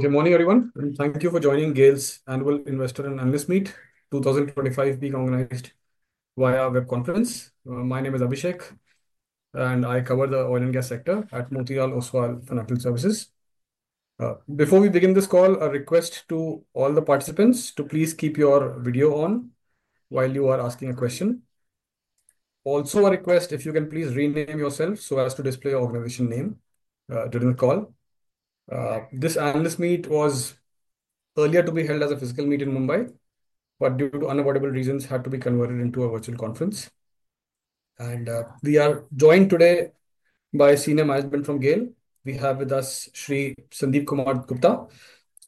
Good morning, everyone. Thank you for joining GAIL's Annual Investor and Analyst Meet, 2025, being organized via web conference. My name is Abhishek, and I cover the oil and gas sector at Motilal Oswal Financial Services. Before we begin this call, a request to all the participants to please keep your video on while you are asking a question. Also, a request if you can please rename yourself so as to display your organization name during the call. This Analyst Meet was earlier to be held as a physical meet in Mumbai, but due to unavoidable reasons, had to be converted into a virtual conference. We are joined today by a senior management from GAIL. We have with us Sandeep Kumar Gupta,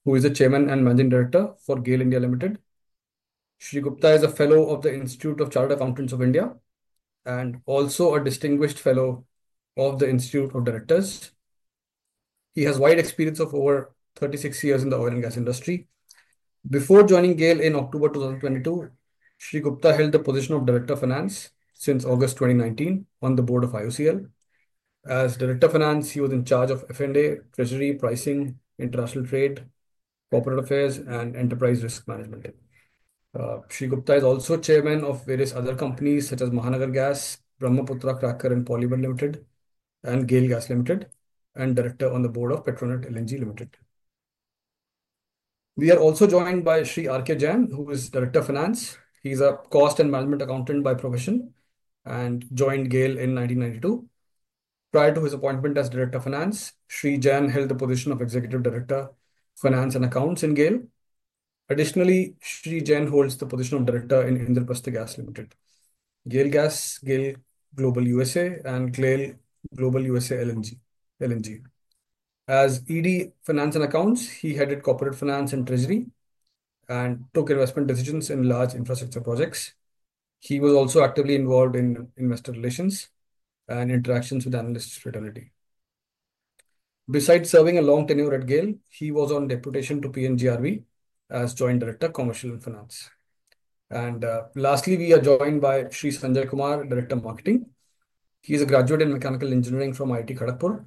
who is the Chairman and Managing Director for GAIL India Limited. Sri Gupta is a Fellow of the Institute of Chartered Accountants of India and also a Distinguished Fellow of the Institute of Directors. He has wide experience of over 36 years in the oil and gas industry. Before joining GAIL in October 2022, Sri Gupta held the position of Director of Finance since August 2019 on the board of IOCL. As Director of Finance, he was in charge of F&A, Treasury, Pricing, International Trade, Corporate Affairs, and Enterprise Risk Management. Sri Gupta is also Chairman of various other companies such as Mahanagar Gas, Brahmaputra Cracker and Polymer Limited, and GAIL Gas Limited, and Director on the board of Petronet LNG Limited. We are also joined by Sri Arke Jain, who is Director of Finance. He's a Cost and Management Accountant by profession and joined GAIL in 1992. Prior to his appointment as Director of Finance, Sri Jain held the position of Executive Director of Finance and Accounts in GAIL. Additionally, Sri Jain holds the position of Director in Indraprastha Gas Limited, GAIL Gas, GAIL Global USA Inc., and GAIL Global USA LNG. As ED Finance and Accounts, he headed Corporate Finance and Treasury and took investment decisions in large infrastructure projects. He was also actively involved in investor relations and interactions with analysts' fidelity. Besides serving a long tenure at GAIL, he was on deputation to PNGRB as Joint Director of Commercial and Finance. Lastly, we are joined by Sri Sanjay Kumar, Director of Marketing. He is a graduate in Mechanical Engineering from IIT Kharagpur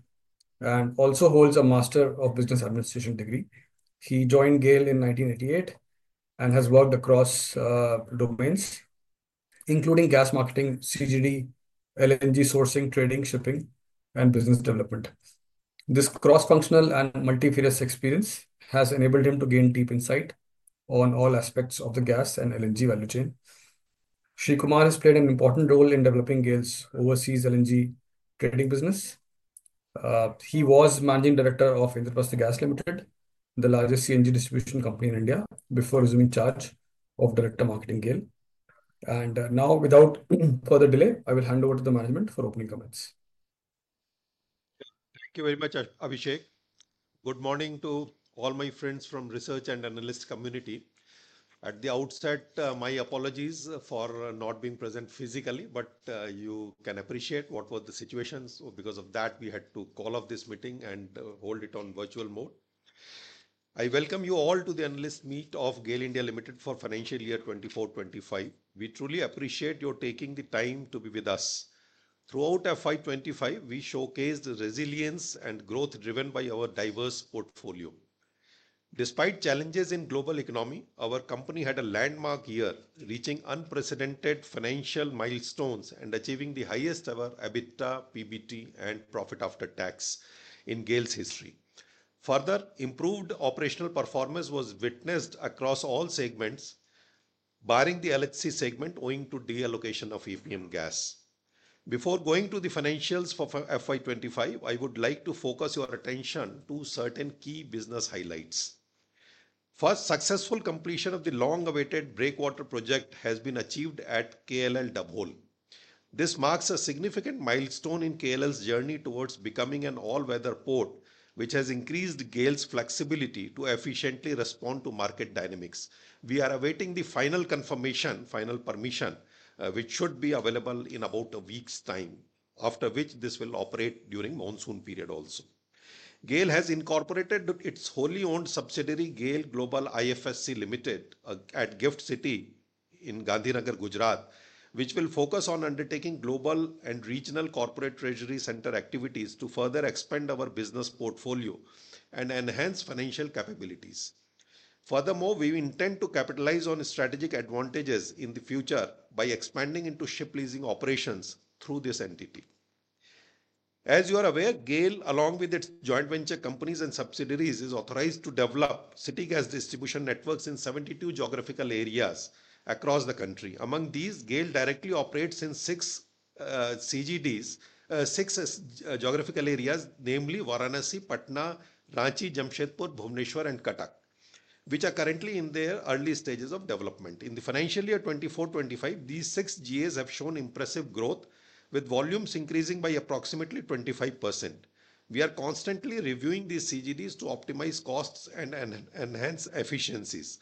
and also holds a Master of Business Administration degree. He joined GAIL in 1988 and has worked across domains, including gas marketing, CGD, LNG sourcing, trading, shipping, and business development. This cross-functional and multifarious experience has enabled him to gain deep insight on all aspects of the gas and LNG value chain. Sri Kumar has played an important role in developing GAIL's overseas LNG trading business. He was Managing Director of Indraprastha Gas Limited, the largest CNG distribution company in India, before resuming charge of Director of Marketing GAIL. Now, without further delay, I will hand over to the management for opening comments. Thank you very much, Abhishek. Good morning to all my friends from the research and analyst community. At the outset, my apologies for not being present physically, but you can appreciate what was the situation. Because of that, we had to call off this meeting and hold it on virtual mode. I welcome you all to the Analyst Meet of GAIL India Limited for Financial Year 2024-2025. We truly appreciate your taking the time to be with us. Throughout FY2025, we showcased the resilience and growth driven by our diverse portfolio. Despite challenges in global economy, our company had a landmark year, reaching unprecedented financial milestones and achieving the highest ever EBITDA, PBT, and Profit After Tax in GAIL's history. Further, improved operational performance was witnessed across all segments, barring the LHC segment owing to deallocation of EVM gas. Before going to the financials for FY 2025, I would like to focus your attention to certain key business highlights. First, successful completion of the long-awaited breakwater project has been achieved at KLL Dabhol. This marks a significant milestone in KLL's journey towards becoming an all-weather port, which has increased GAIL's flexibility to efficiently respond to market dynamics. We are awaiting the final confirmation, final permission, which should be available in about a week's time, after which this will operate during the monsoon period also. GAIL has incorporated its wholly owned subsidiary, GAIL Global IFSC Limited, at GIFT City in Gandhinagar, Gujarat, which will focus on undertaking global and regional corporate treasury center activities to further expand our business portfolio and enhance financial capabilities. Furthermore, we intend to capitalize on strategic advantages in the future by expanding into ship leasing operations through this entity. As you are aware, GAIL, along with its joint venture companies and subsidiaries, is authorized to develop city gas distribution networks in 72 geographical areas across the country. Among these, GAIL directly operates in six geographical areas, namely Varanasi, Patna, Ranchi, Jamshedpur, Bhubaneswar, and Kathak, which are currently in their early stages of development. In the financial year 2024-2025, these six GAs have shown impressive growth, with volumes increasing by approximately 25%. We are constantly reviewing these CGDs to optimize costs and enhance efficiencies.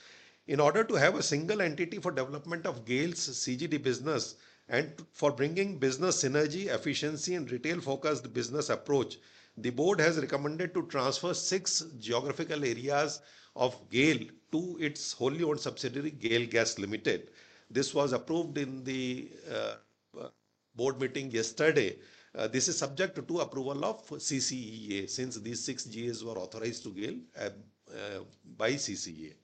In order to have a single entity for development of GAIL's CGD business and for bringing business synergy, efficiency, and retail-focused business approach, the board has recommended to transfer six geographical areas of GAIL to its wholly owned subsidiary, GAIL Gas Limited. This was approved in the board meeting yesterday. This is subject to approval of CCEA since these six GAs were authorized to GAIL by CCEA.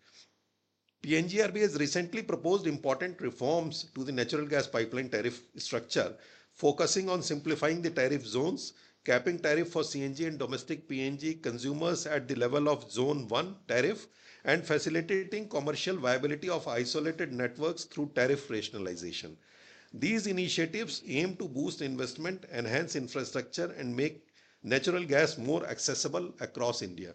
PNGRB has recently proposed important reforms to the natural gas pipeline tariff structure, focusing on simplifying the tariff zones, capping tariff for CNG and domestic PNG consumers at the level of Zone 1 tariff, and facilitating commercial viability of isolated networks through tariff rationalization. These initiatives aim to boost investment, enhance infrastructure, and make natural gas more accessible across India.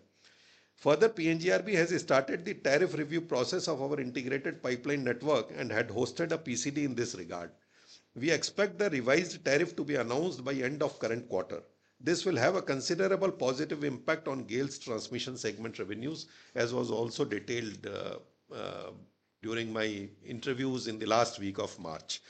Further, PNGRB has started the tariff review process of our integrated pipeline network and had hosted a PCD in this regard. We expect the revised tariff to be announced by the end of the current quarter. This will have a considerable positive impact on GAIL's transmission segment revenues, as was also detailed during my interviews in the last week of March.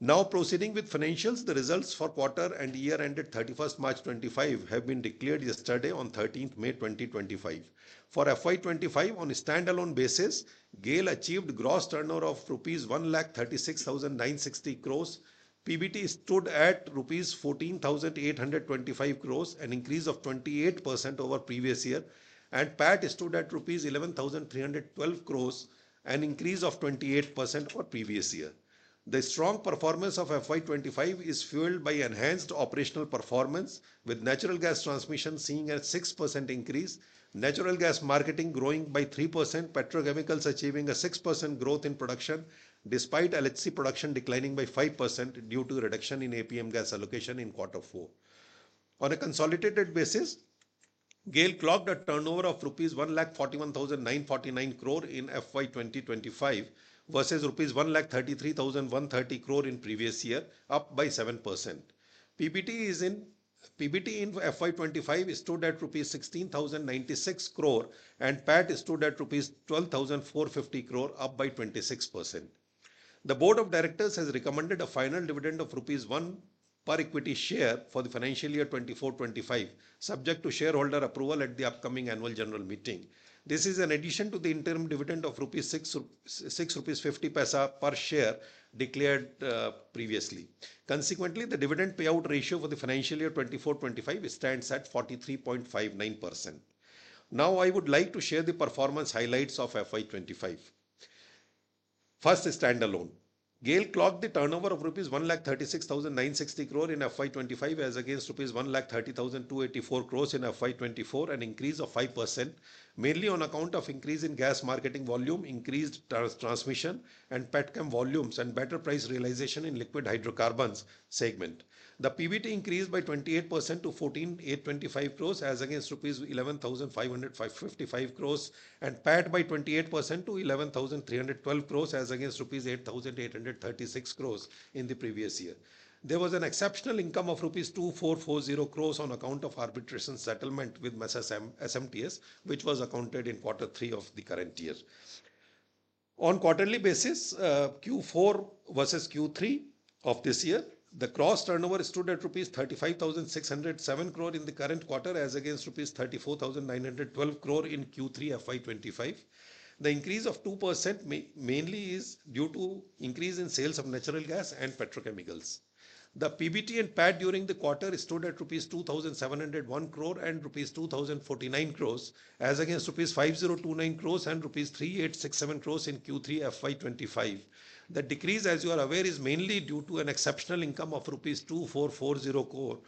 Now, proceeding with financials, the results for quarter and year-end at 31 March 2025 have been declared yesterday, on 13 May 2025. For FY2025, on a standalone basis, GAIL achieved gross turnover of 136,960 crore rupees, PBT stood at 14,825 crore rupees, an increase of 28% over the previous year, and PAT stood at 11,312 crore rupees, an increase of 28% over the previous year. The strong performance of FY2025 is fueled by enhanced operational performance, with natural gas transmission seeing a 6% increase, natural gas marketing growing by 3%, petrochemicals achieving a 6% growth in production, despite LHC production declining by 5% due to reduction in APM gas allocation in quarter four. On a consolidated basis, GAIL clocked a turnover of rupees 141,949 crore in FY2025 versus rupees 133,130 crore in the previous year, up by 7%. PBT in FY2025 stood at rupees 16,096 crore, and PAT stood at rupees 12,450 crore, up by 26%. The Board of Directors has recommended a final dividend of rupees 1 per equity share for the financial year 2024-2025, subject to shareholder approval at the upcoming Annual General Meeting. This is in addition to the interim dividend of 6.50 rupees per share declared previously. Consequently, the dividend payout ratio for the financial year 2024-2025 stands at 43.59%. Now, I would like to share the performance highlights of FY 2025. First, standalone. GAIL clocked the turnover of rupees 136,960 crore in FY 2025 as against rupees 130,284 crore in FY 2024, an increase of 5%, mainly on account of increase in gas marketing volume, increased transmission and petchem volumes, and better price realization in liquid hydrocarbons segment. The PBT increased by 28% to 14,825 crore as against rupees 11,555 crore, and PAT by 28% to 11,312 crore as against rupees 8,836 crore in the previous year. There was an exceptional income of rupees 2,440 crore on account of arbitration settlement with SMTS, which was accounted in quarter three of the current year. On quarterly basis, Q4 versus Q3 of this year, the gross turnover stood at rupees 35,607 crore in the current quarter as against rupees 34,912 crore in Q3 FY2025. The increase of 2% mainly is due to increase in sales of natural gas and petrochemicals. The PBT and PAT during the quarter stood at rupees 2,701 crore and rupees 2,049 crore as against rupees 5,029 crore and rupees 3,867 crore in Q3 FY2025. The decrease, as you are aware, is mainly due to an exceptional income of rupees 2,440 crore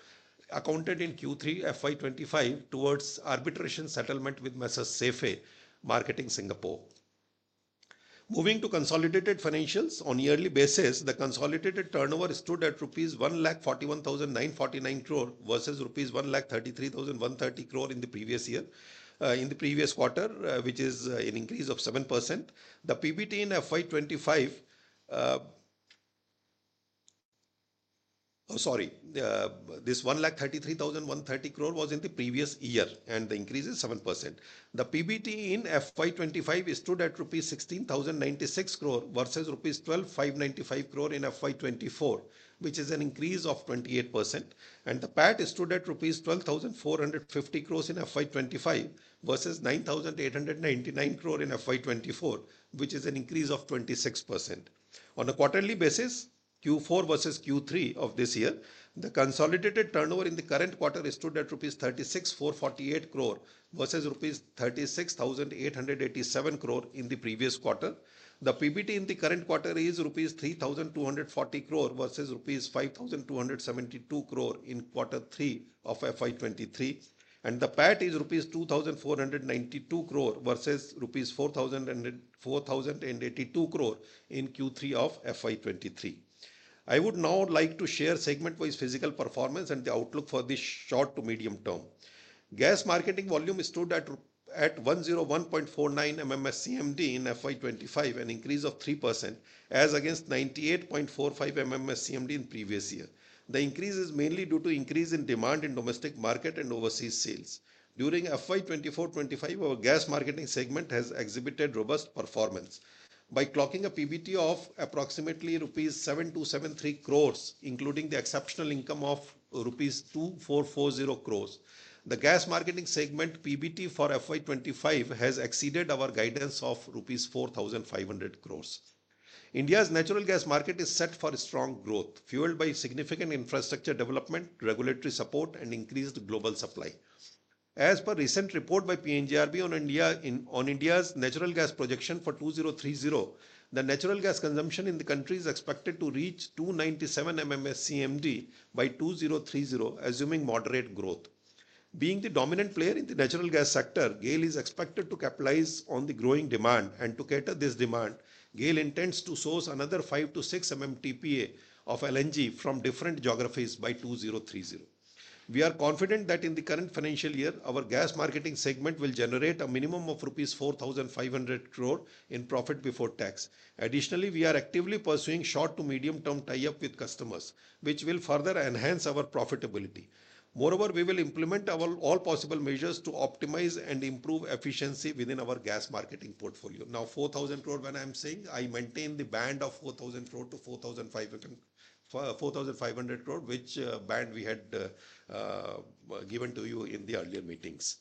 accounted in Q3 FY2025 towards arbitration settlement with SEFE Marketing Singapore. Moving to consolidated financials, on a yearly basis, the consolidated turnover stood at rupees 141,949 crore versus rupees 133,130 crore in the previous year, in the previous quarter, which is an increase of 7%. The PBT in FY 2025, sorry, this 133,130 crore was in the previous year, and the increase is 7%. The PBT in FY 2025 stood at rupees 16,096 crore versus rupees 12,595 crore in FY 2024, which is an increase of 28%. The PAT stood at rupees 12,450 crore in FY 2025 versus 9,899 crore in FY 2024, which is an increase of 26%. On a quarterly basis, Q4 versus Q3 of this year, the consolidated turnover in the current quarter stood at INR 36,448 crore versus INR 36,887 crore in the previous quarter. The PBT in the current quarter is INR 3,240 crore versus INR 5,272 crore in quarter three of FY 2023. The PAT is INR 2,492 crore versus INR 4,482 crore in Q3 of FY 2023. I would now like to share segment-wise physical performance and the outlook for this short to medium term. Gas marketing volume stood at 101.49 MMSCMD in 2025, an increase of 3%, as against 98.45 MMSCMD in the previous year. The increase is mainly due to increase in demand in domestic market and overseas sales. During 2024-2025, our gas marketing segment has exhibited robust performance. By clocking a PBT of approximately rupees 7,273 crore, including the exceptional income of rupees 2,440 crore, the gas marketing segment PBT for 2025 has exceeded our guidance of rupees 4,500 crore. India's natural gas market is set for strong growth, fueled by significant infrastructure development, regulatory support, and increased global supply. As per recent report by PNGRB on India's natural gas projection for 2030, the natural gas consumption in the country is expected to reach 297 MMSCMD by 2030, assuming moderate growth. Being the dominant player in the natural gas sector, GAIL is expected to capitalize on the growing demand. To cater this demand, GAIL intends to source another 5-6 MMTPA of LNG from different geographies by 2030. We are confident that in the current financial year, our gas marketing segment will generate a minimum of rupees 4,500 crore in profit before tax. Additionally, we are actively pursuing short to medium-term tie-up with customers, which will further enhance our profitability. Moreover, we will implement all possible measures to optimize and improve efficiency within our gas marketing portfolio. Now, 4,000 crore, when I'm saying, I maintain the band of 4,000 crore-4,500 crore, which band we had given to you in the earlier meetings.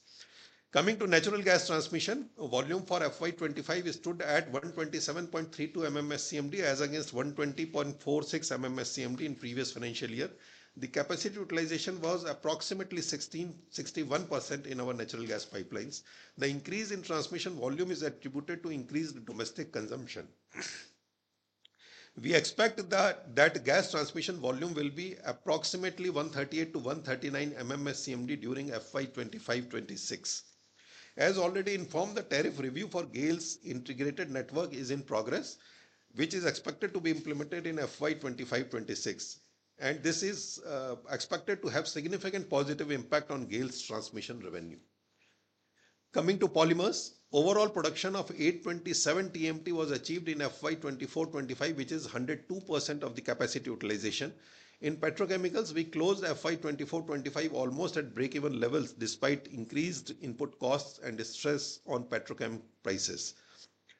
Coming to natural gas transmission, volume for FY 2025 stood at 127.32 MMSCMD as against 120.46 MMSCMD in the previous financial year. The capacity utilization was approximately 61% in our natural gas pipelines. The increase in transmission volume is attributed to increased domestic consumption. We expect that gas transmission volume will be approximately 138-139 MMSCMD during FY 2025-2026. As already informed, the tariff review for GAIL's integrated network is in progress, which is expected to be implemented in FY 2025-2026. This is expected to have a significant positive impact on GAIL's transmission revenue. Coming to polymers, overall production of 827 TMT was achieved in FY 2024-2025, which is 102% of the capacity utilization. In petrochemicals, we closed FY 2024-2025 almost at break-even levels, despite increased input costs and stress on petrochemical prices.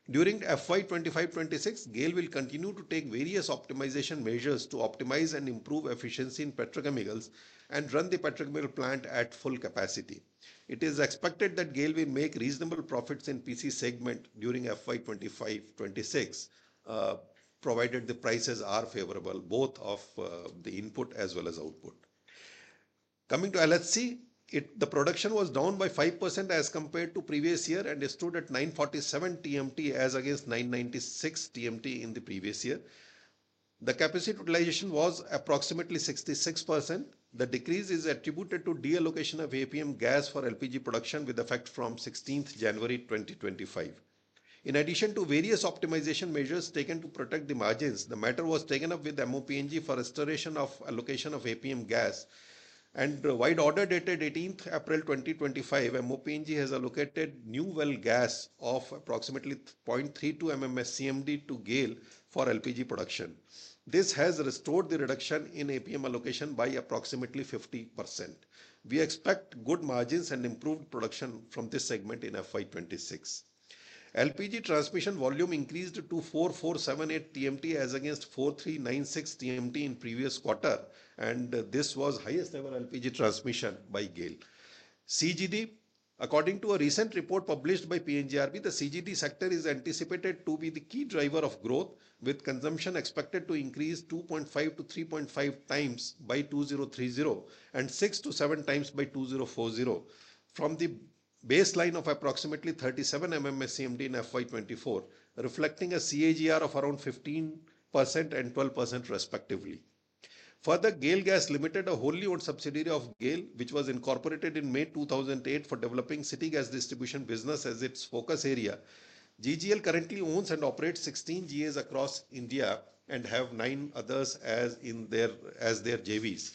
During FY 2025-2026, GAIL will continue to take various optimization measures to optimize and improve efficiency in petrochemicals and run the petrochemical plant at full capacity. It is expected that GAIL will make reasonable profits in the PC segment during FY 2025-2026, provided the prices are favorable, both of the input as well as output. Coming to LHC, the production was down by 5% as compared to the previous year and stood at 947 TMT as against 996 TMT in the previous year. The capacity utilization was approximately 66%. The decrease is attributed to deallocation of APM gas for LPG production, with effect from 16 January 2025. In addition to various optimization measures taken to protect the margins, the matter was taken up with MoP&G for restoration of allocation of APM gas. By wide order dated 18 April 2025, MoP&G has allocated new well gas of approximately 0.32 MMSCMD to GAIL for LPG production. This has restored the reduction in APM allocation by approximately 50%. We expect good margins and improved production from this segment in FY 2026. LPG transmission volume increased to 4,478 TMT as against 4,396 TMT in the previous quarter, and this was the highest-ever LPG transmission by GAIL. CGD, according to a recent report published by PNGRB, the CGD sector is anticipated to be the key driver of growth, with consumption expected to increase 2.5-3.5 times by 2030 and 6-7 times by 2040, from the baseline of approximately 37 MMSCMD in FY 2024, reflecting a CAGR of around 15% and 12%, respectively. Further, GAIL Gas Limited, a wholly owned subsidiary of GAIL, was incorporated in May 2008 for developing city gas distribution business as its focus area. GGL currently owns and operates 16 GAs across India and has 9 others as their JVs.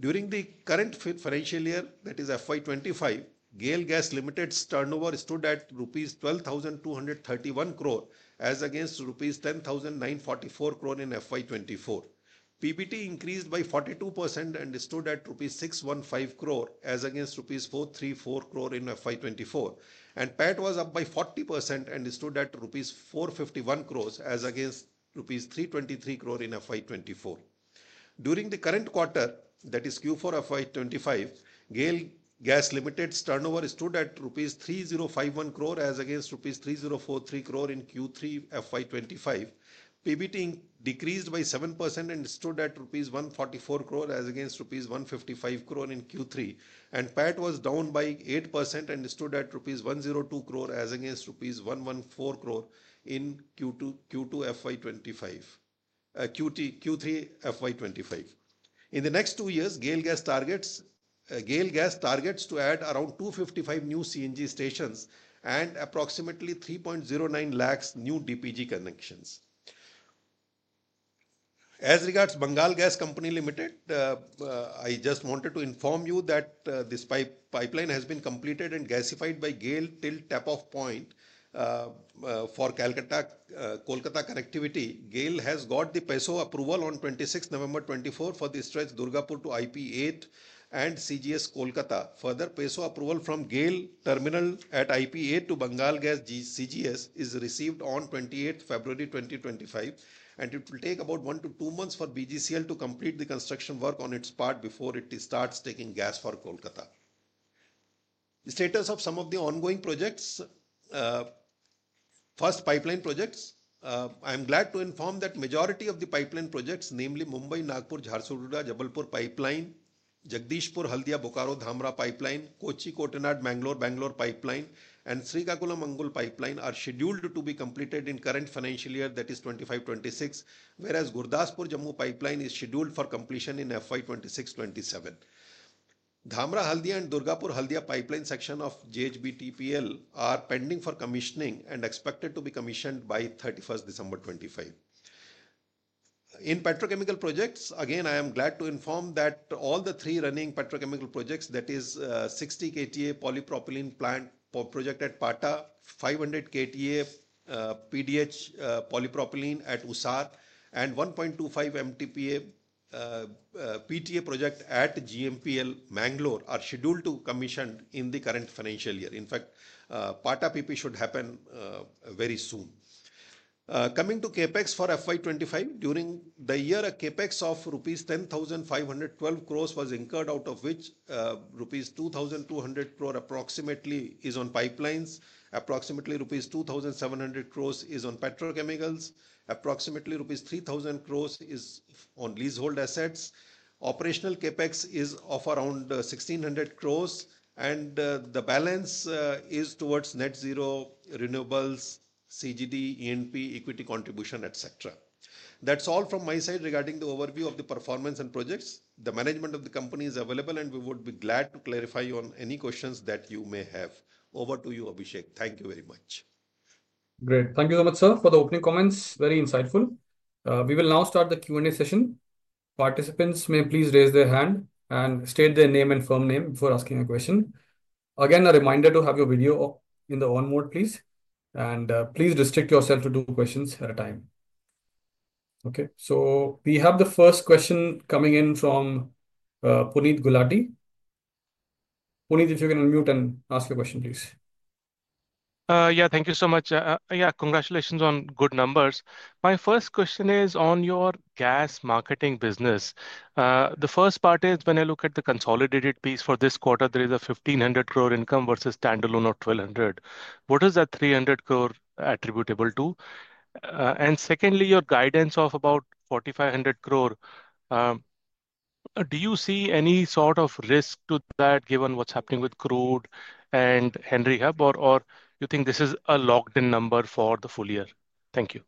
During the current financial year, that is FY 2025, GAIL Gas Limited's turnover stood at rupees 12,231 crore as against rupees 10,944 crore in FY 2024. PBT increased by 42% and stood at 615 crore as against rupees 434 crore in FY 2024. PAT was up by 40% and stood at rupees 451 crore as against rupees 323 crore in FY 2024. During the current quarter, that is Q4 FY 2025, GAIL Gas Limited's turnover stood at rupees 3,051 crore as against rupees 3,043 crore in Q3 FY 2025. PBT decreased by 7% and stood at rupees 144 crore as against rupees 155 crore in Q3. PAT was down by 8% and stood at rupees 102 crore as against rupees 114 crore in Q3 FY 2025. In the next two years, GAIL Gas targets to add around 255 new CNG stations and approximately 309,000 new DPG connections. As regards to Bengal Gas Company Limited, I just wanted to inform you that this pipeline has been completed and gasified by GAIL till tap-off point for Kolkata connectivity. GAIL has got the PESO approval on 26 November 2024 for the stretch Durgapur to IP8 and CGS Kolkata. Further, PESO approval from GAIL Terminal at IP8 to Bengal Gas CGS is received on 28 February 2025. It will take about one to two months for BGCL to complete the construction work on its part before it starts taking gas for Kolkata. Status of some of the ongoing projects. First, pipeline projects. I am glad to inform that the majority of the pipeline projects, namely Mumbai, Nagpur, Jharsuguda, Jabalpur pipeline, Jagdishpur, Haldia, Bokaro, Dhamra pipeline, Kochi-Koottanad-Mangalore-Bangalore pipeline, and Srikakulam-Angul pipeline, are scheduled to be completed in the current financial year, that is 2025-2026, whereas Gurdaspur, Jammu pipeline is scheduled for completion in FY 2026-2027. Dhamra-Haldia and Durgapur-Haldia pipeline section of JHBDPL are pending for commissioning and expected to be commissioned by 31 December 2025. In petrochemical projects, again, I am glad to inform that all the three running petrochemical projects, that is 60 KTA polypropylene plant project at Pata, 500 KTA PDH polypropylene at Usar, and 1.25 MTPA PTA project at GMPL Mangalore are scheduled to be commissioned in the current financial year. In fact, Pata PP should happen very soon. Coming to CapEx for FY2025, during the year, a CapEx of rupees 10,512 crore was incurred, out of which rupees 2,200 crore approximately is on pipelines, approximately rupees 2,700 crore is on petrochemicals, approximately rupees 3,000 crore is on leasehold assets. Operational CapEx is of around 1,600 crore, and the balance is towards net zero renewables, CGD, ENP, equity contribution, etc. That is all from my side regarding the overview of the performance and projects. The management of the company is available, and we would be glad to clarify on any questions that you may have. Over to you, Abhishek. Thank you very much. Great. Thank you so much, sir, for the opening comments. Very insightful. We will now start the Q&A session. Participants, may please raise their hand and state their name and firm name before asking a question. Again, a reminder to have your video in the on mode, please. Please restrict yourself to two questions at a time. Okay, we have the first question coming in from Puneet Gulati. Puneet, if you can unmute and ask your question, please. Yeah, thank you so much. Yeah, congratulations on good numbers. My first question is on your gas marketing business. The first part is when I look at the consolidated piece for this quarter, there is an 1,500 crore income versus standalone of 1,200 crore. What is that 300 crore attributable to? And secondly, your guidance of about 4,500 crore, do you see any sort of risk to that given what is happening with crude and Henry Hub, or do you think this is a locked-in number for the full year? Thank you.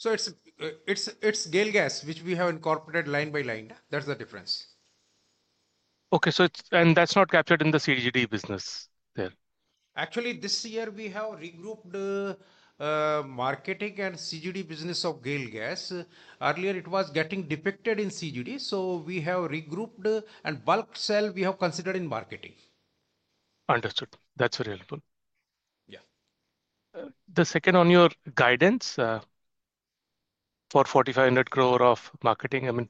It is GAIL Gas, which we have incorporated line by line. That is the difference. Okay, so it is, and that is not captured in the CGD business there. Actually, this year we have regrouped marketing and CGD business of GAIL Gas. Earlier, it was getting depicted in CGD, so we have regrouped and bulk sale we have considered in marketing. Understood. That's very helpful. Yeah. The second on your guidance for 4,500 crore of marketing, I mean,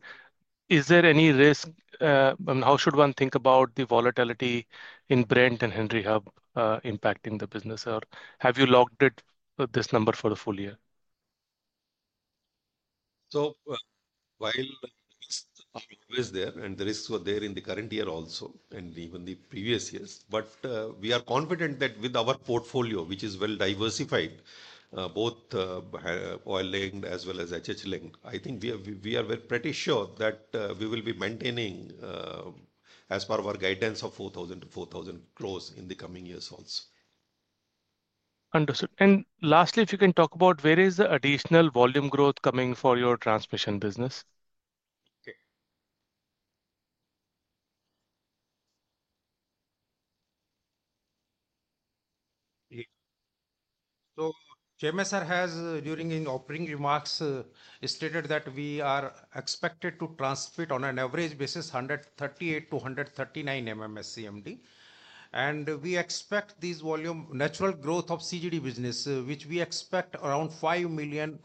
is there any risk? I mean, how should one think about the volatility in Brent and Henry Hub impacting the business, or have you locked this number for the full year? While I'm always there, and the risks were there in the current year also, and even the previous years, but we are confident that with our portfolio, which is well diversified, both oil-linked as well as HH-linked, I think we are pretty sure that we will be maintaining, as per our guidance, of 4,000 crore-4,000 crore in the coming years also. Understood. Lastly, if you can talk about where is the additional volume growth coming for your transmission business? Chairman Sir has, during his opening remarks, stated that we are expected to transmit on an average basis 138-139 MMSCMD. We expect this volume, natural growth of CGD business, which we expect around 5 million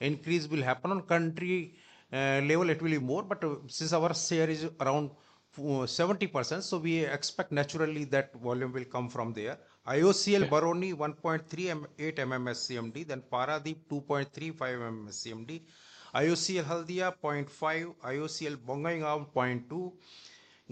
increase will happen on country level. It will be more, but since our share is around 70%, we expect naturally that volume will come from there. IOCL Baruni 1.38 MMSCMD, then Paradip 2.35 MMSCMD, IOCL Haldia 0.5, IOCL Bongaigaon 0.2,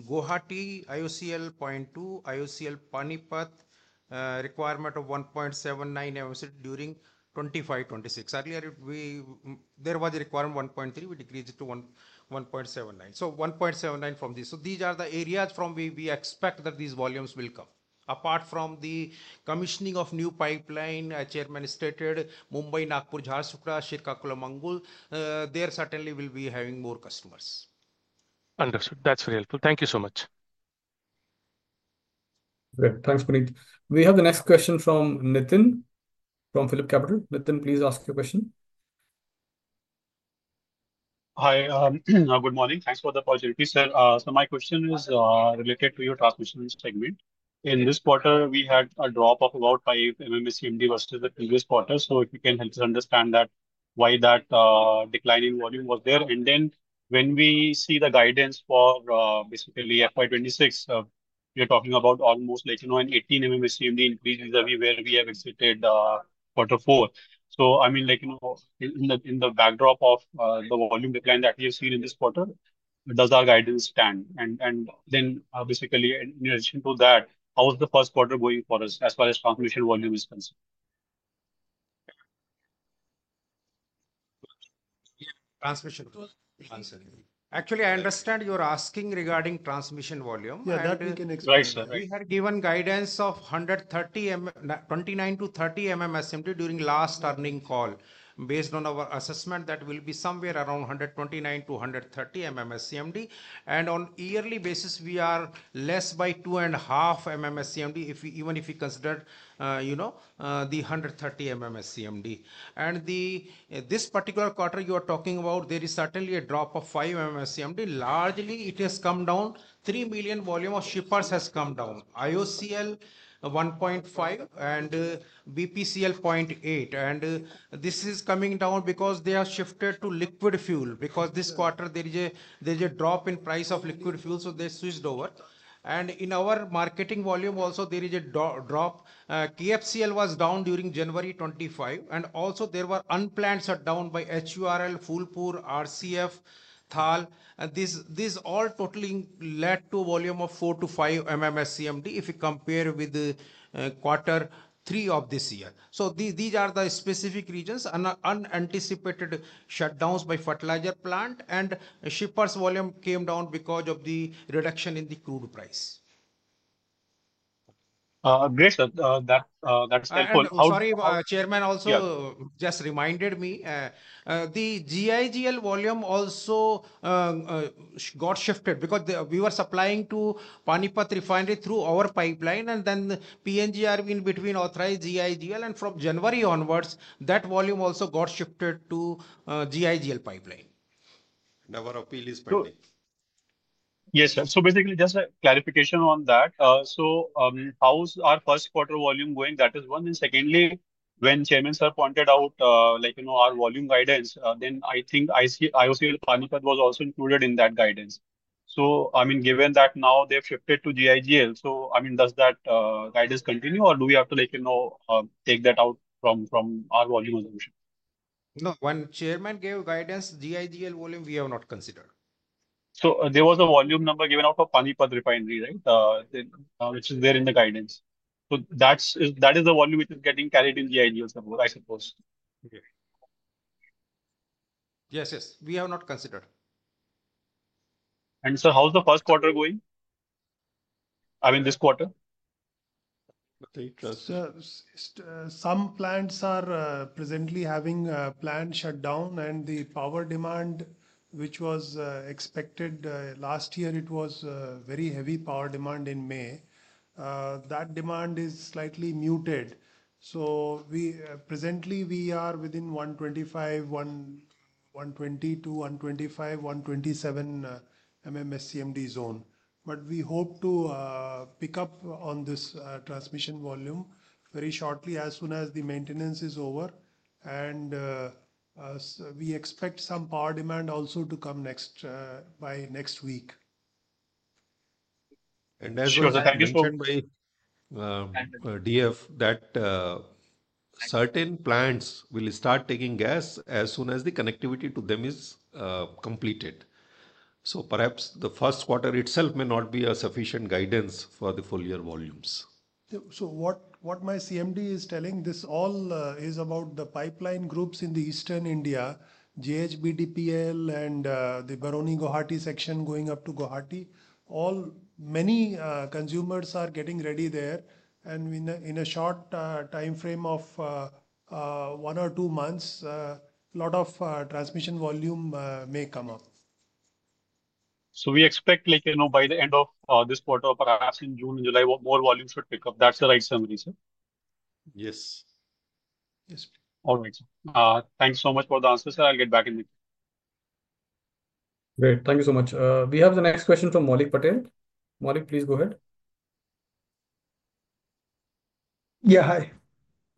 Guwahati IOCL 0.2, IOCL Panipat requirement of 1.79 MMSC during 2025-2026. Earlier, there was a requirement of 1.3, we increased it to 1.79. So 1.79 from this. These are the areas from where we expect that these volumes will come. Apart from the commissioning of new pipeline, Chairman stated, Mumbai, Nagpur, Jharsuguda, Srikakulam, Angul, there certainly will be having more customers. Understood. That's very helpful. Thank you so much. Great. Thanks, Puneet. We have the next question from Nithin from Philip Capital. Nithin, please ask your question. Hi, good morning. Thanks for the opportunity, sir. My question is related to your transmission segment. In this quarter, we had a drop of about 5 MMSCMD versus the previous quarter. If you can help us understand why that declining volume was there. When we see the guidance for basically FY2026, we are talking about almost like an 18 MMSCMD increase vis-à-vis where we have exited quarter four. I mean, like in the backdrop of the volume decline that we have seen in this quarter, does our guidance stand? In addition to that, how was the first quarter going for us as far as transmission volume is concerned? Transmission volume. Actually, I understand you're asking regarding transmission volume. Yeah, that we can explain. Right, sir. We had given guidance of 29-30 MMSCMD during last earning call. Based on our assessment, that will be somewhere around 129-130 MMSCMD. On yearly basis, we are less by 2.5 MMSCMD, even if we consider the 130 MMSCMD. This particular quarter you are talking about, there is certainly a drop of 5 MMSCMD. Largely, it has come down. 3 million volume of shippers has come down. IOCL 1.5 and BPCL 0.8. This is coming down because they are shifted to liquid fuel. This quarter, there is a drop in price of liquid fuel, so they switched over. In our marketing volume also, there is a drop. KFCL was down during January 25. There were unplanned shutdowns by HURL, Phulpur, RCF, Thal. This all totally led to a volume of 4-5 MMSCMD if you compare with quarter three of this year. These are the specific reasons, unanticipated shutdowns by fertilizer plant. Shippers' volume came down because of the reduction in the crude price. Great. That's helpful. Sorry, Chairman also just reminded me. The GIGL volume also got shifted because we were supplying to Panipat Refinery through our pipeline. Then PNGRB in between authorized GIGL. From January onwards, that volume also got shifted to GIGL pipeline. Our appeal is pending. Yes, sir. Basically, just a clarification on that. How is our first quarter volume going? That is one. Secondly, when Chairman Sir pointed out our volume guidance, I think IOCL Panipat was also included in that guidance. I mean, given that now they have shifted to GIGL, does that guidance continue or do we have to take that out from our volume assumption? No. When Chairman gave guidance, GIGL volume we have not considered. There was a volume number given out for Panipat Refinery, right? Which is there in the guidance. That is the volume which is getting carried in GIGL, I suppose. Yes, yes. We have not considered. Sir, how's the first quarter going? I mean, this quarter? Some plants are presently having a planned shutdown. The power demand, which was expected last year, it was very heavy power demand in May. That demand is slightly muted. Presently, we are within the 120-125, 127 MMSCMD zone. We hope to pick up on this transmission volume very shortly as soon as the maintenance is over. We expect some power demand also to come by next week. As you understand by DF, certain plants will start taking gas as soon as the connectivity to them is completed. Perhaps the first quarter itself may not be a sufficient guidance for the full year volumes. What my CMD is telling, this all is about the pipeline groups in eastern India, JHBTPL and the Baruni-Guwahati section going up to Guwahati. Many consumers are getting ready there. In a short time frame of one or two months, a lot of transmission volume may come up. We expect by the end of this quarter, perhaps in June and July, more volume should pick up. That's the right summary, sir? Yes. Yes, please. All right, sir. Thanks so much for the answer, sir. I'll get back in the meeting. Great. Thank you so much. We have the next question from Maulik Patel. Maulik, please go ahead. Yeah, hi.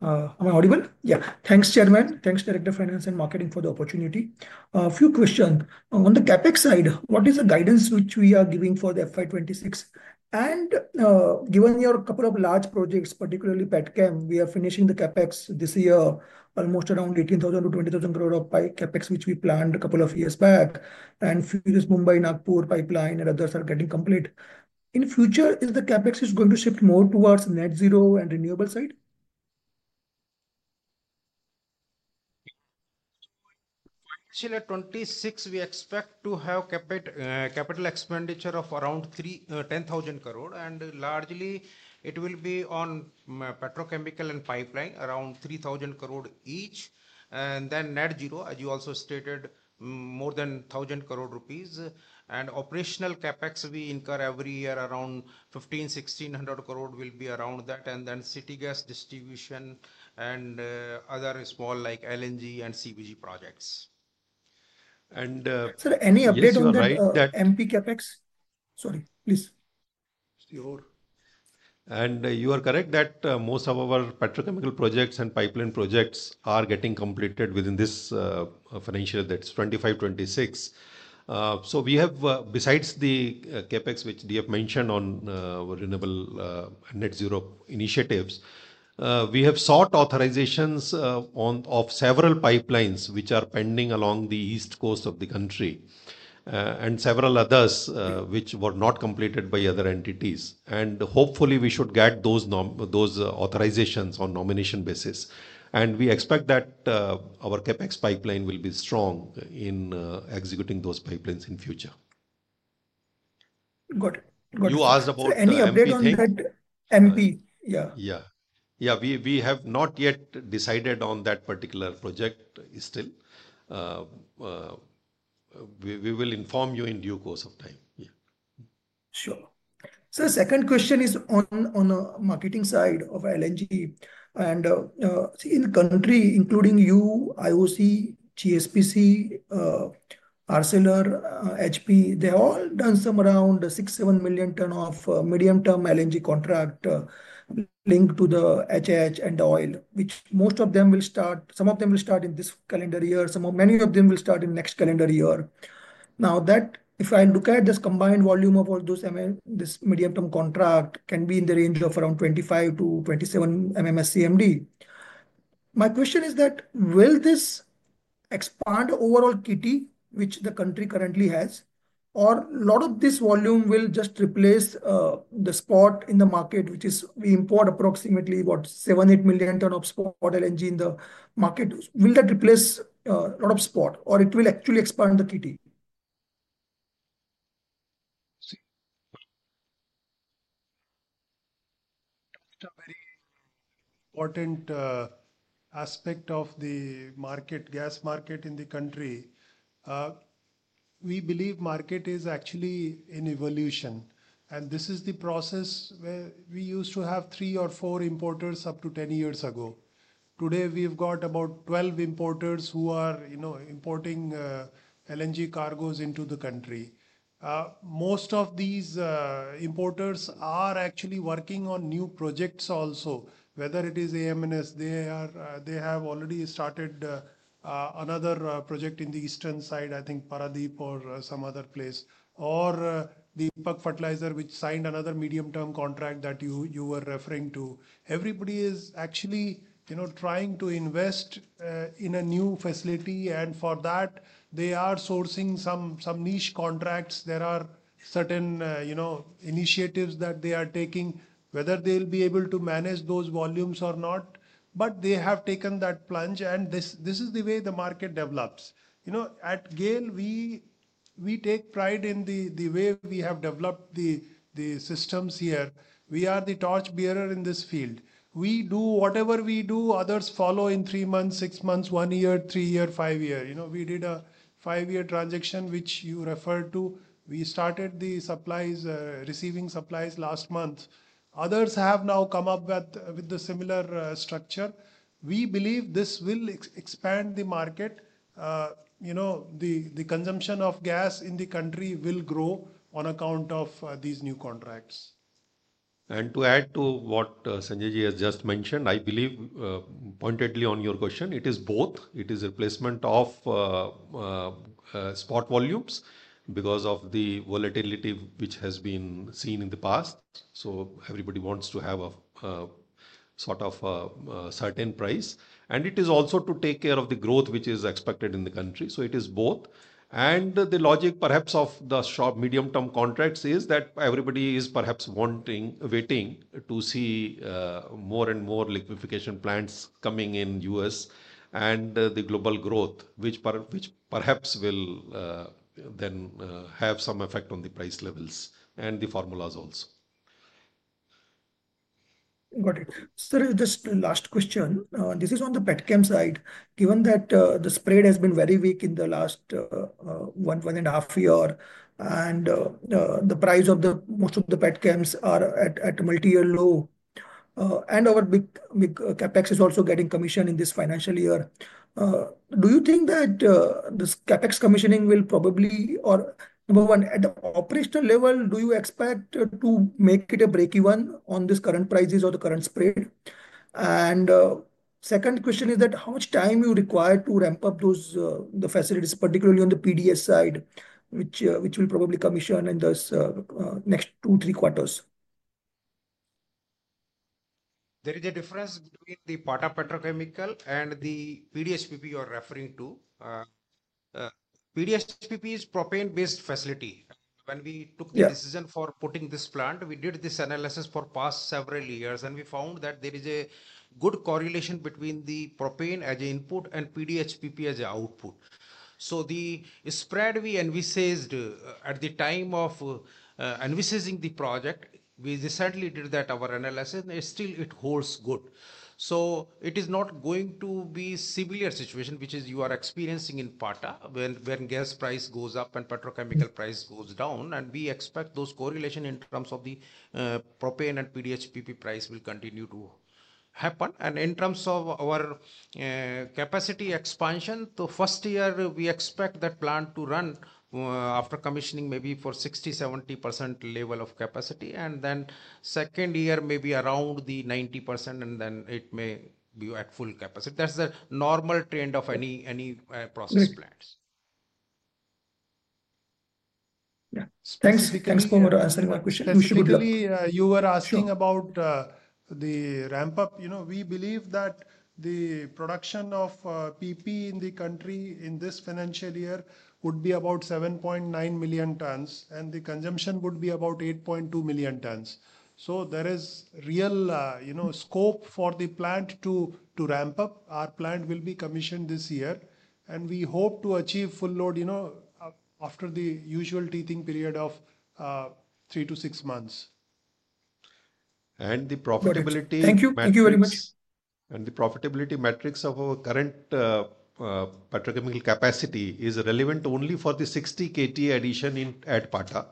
Am I audible? Yeah. Thanks, Chairman. Thanks, Director of Finance and Marketing, for the opportunity. A few questions. On the CapEx side, what is the guidance which we are giving for FY 2026? And given your couple of large projects, particularly Pata, we are finishing the CapEx this year, almost around 18,000 crore-20,000 crore of CapEx which we planned a couple of years back. And Mumbai-Nagpur pipeline and others are getting complete. In future, is the CapEx going to shift more towards net zero and renewable side? For initial year 2026, we expect to have capital expenditure of around 10,000 crore. Largely, it will be on petrochemical and pipeline, around 3,000 crore each. Net zero, as you also stated, more than 1,000 crore rupees. Operational CapEx we incur every year, around 15,000 crore-16,000 crore will be around that. City gas distribution and other small like LNG and CBG projects. Sir, any update on the MP CapEx? Sorry, please. You are correct that most of our petrochemical projects and pipeline projects are getting completed within this financial year, that is 2025-2026. We have, besides the CapEx which DF mentioned on our renewable net zero initiatives, sought authorizations of several pipelines which are pending along the east coast of the country and several others which were not completed by other entities. Hopefully, we should get those authorizations on nomination basis. We expect that our CapEx pipeline will be strong in executing those pipelines in future. Got it. You asked about any update on that MP? Yeah. We have not yet decided on that particular project still. We will inform you in due course of time. Sure. Sir, second question is on the marketing side of LNG. In the country, including you, IOC, GSPC, Arcelor, HP, they have all done some around 6-7 million ton of medium-term LNG contract linked to the HH and oil, which most of them will start, some of them will start in this calendar year, many of them will start in next calendar year. Now, if I look at this combined volume of all those, this medium-term contract can be in the range of around 25-27 MMSCMD. My question is that will this expand overall KITI, which the country currently has, or a lot of this volume will just replace the spot in the market, which is we import approximately what, 7-8 million ton of spot LNG in the market? Will that replace a lot of spot, or it will actually expand the KITI? It's a very important aspect of the market, gas market in the country. We believe the market is actually in evolution. This is the process where we used to have three or four importers up to 10 years ago. Today, we've got about 12 importers who are importing LNG cargoes into the country. Most of these importers are actually working on new projects also. Whether it is AMNS, they have already started another project in the eastern side, I think Paradip or some other place, or Deepak Fertiliser, which signed another medium-term contract that you were referring to. Everybody is actually trying to invest in a new facility. For that, they are sourcing some niche contracts. There are certain initiatives that they are taking, whether they'll be able to manage those volumes or not. They have taken that plunge. This is the way the market develops. At GAIL, we take pride in the way we have developed the systems here. We are the torchbearer in this field. We do whatever we do, others follow in three months, six months, one year, three years, five years. We did a five-year transition, which you referred to. We started the receiving supplies last month. Others have now come up with the similar structure. We believe this will expand the market. The consumption of gas in the country will grow on account of these new contracts. To add to what Sanjay Ji has just mentioned, I believe, pointedly on your question, it is both. It is replacement of spot volumes because of the volatility which has been seen in the past. Everybody wants to have a sort of a certain price. It is also to take care of the growth which is expected in the country. It is both. The logic, perhaps, of the short medium-term contracts is that everybody is perhaps waiting to see more and more liquefaction plants coming in the US and the global growth, which perhaps will then have some effect on the price levels and the formulas also. Got it. Sir, just last question. This is on the petchem side. Given that the spread has been very weak in the last one and a half years and the price of most of the petchems are at multi-year low and our big CapEx is also getting commissioned in this financial year, do you think that this CapEx commissioning will probably, or number one, at the operational level, do you expect to make it a break-even on these current prices or the current spread? The second question is how much time you require to ramp up the facilities, particularly on the PDHPP side, which will probably commission in the next two to three quarters. There is a difference between the Pata petrochemical and the PDHPP you are referring to. PDHPP is a propane-based facility. When we took the decision for putting this plant, we did this analysis for the past several years, and we found that there is a good correlation between the propane as an input and PDHPP as an output. The spread we envisaged at the time of envisaging the project, we decided to do that, our analysis, and still it holds good. It is not going to be a similar situation which you are experiencing in Pata when gas price goes up and petrochemical price goes down. We expect those correlations in terms of the propane and PDHPP price will continue to happen. In terms of our capacity expansion, the first year, we expect that plant to run after commissioning maybe at 60%-70% level of capacity. In the second year, maybe around 90%, and then it may be at full capacity. That is the normal trend of any process plants. Thanks, Kumar, for answering my question. You were asking about the ramp-up. We believe that the production of PP in the country in this financial year would be about 7.9 million tons, and the consumption would be about 8.2 million tons. There is real scope for the plant to ramp up. Our plant will be commissioned this year. We hope to achieve full load after the usual teething period of three to six months. The profitability— Thank you. Thank you very much. The profitability metrics of our current petrochemical capacity is relevant only for the 60 KTA addition at Pata.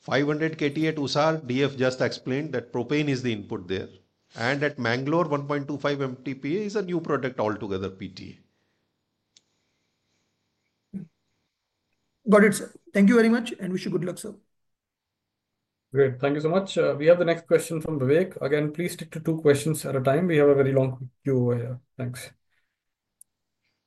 500 KTA at Usar, DF just explained that propane is the input there. At Mangalore, 1.25 MTPA is a new product altogether, PTA. Got it, sir. Thank you very much, and wish you good luck, sir. Great. Thank you so much. We have the next question from Vivek. Again, please stick to two questions at a time. We have a very long queue here. Thanks.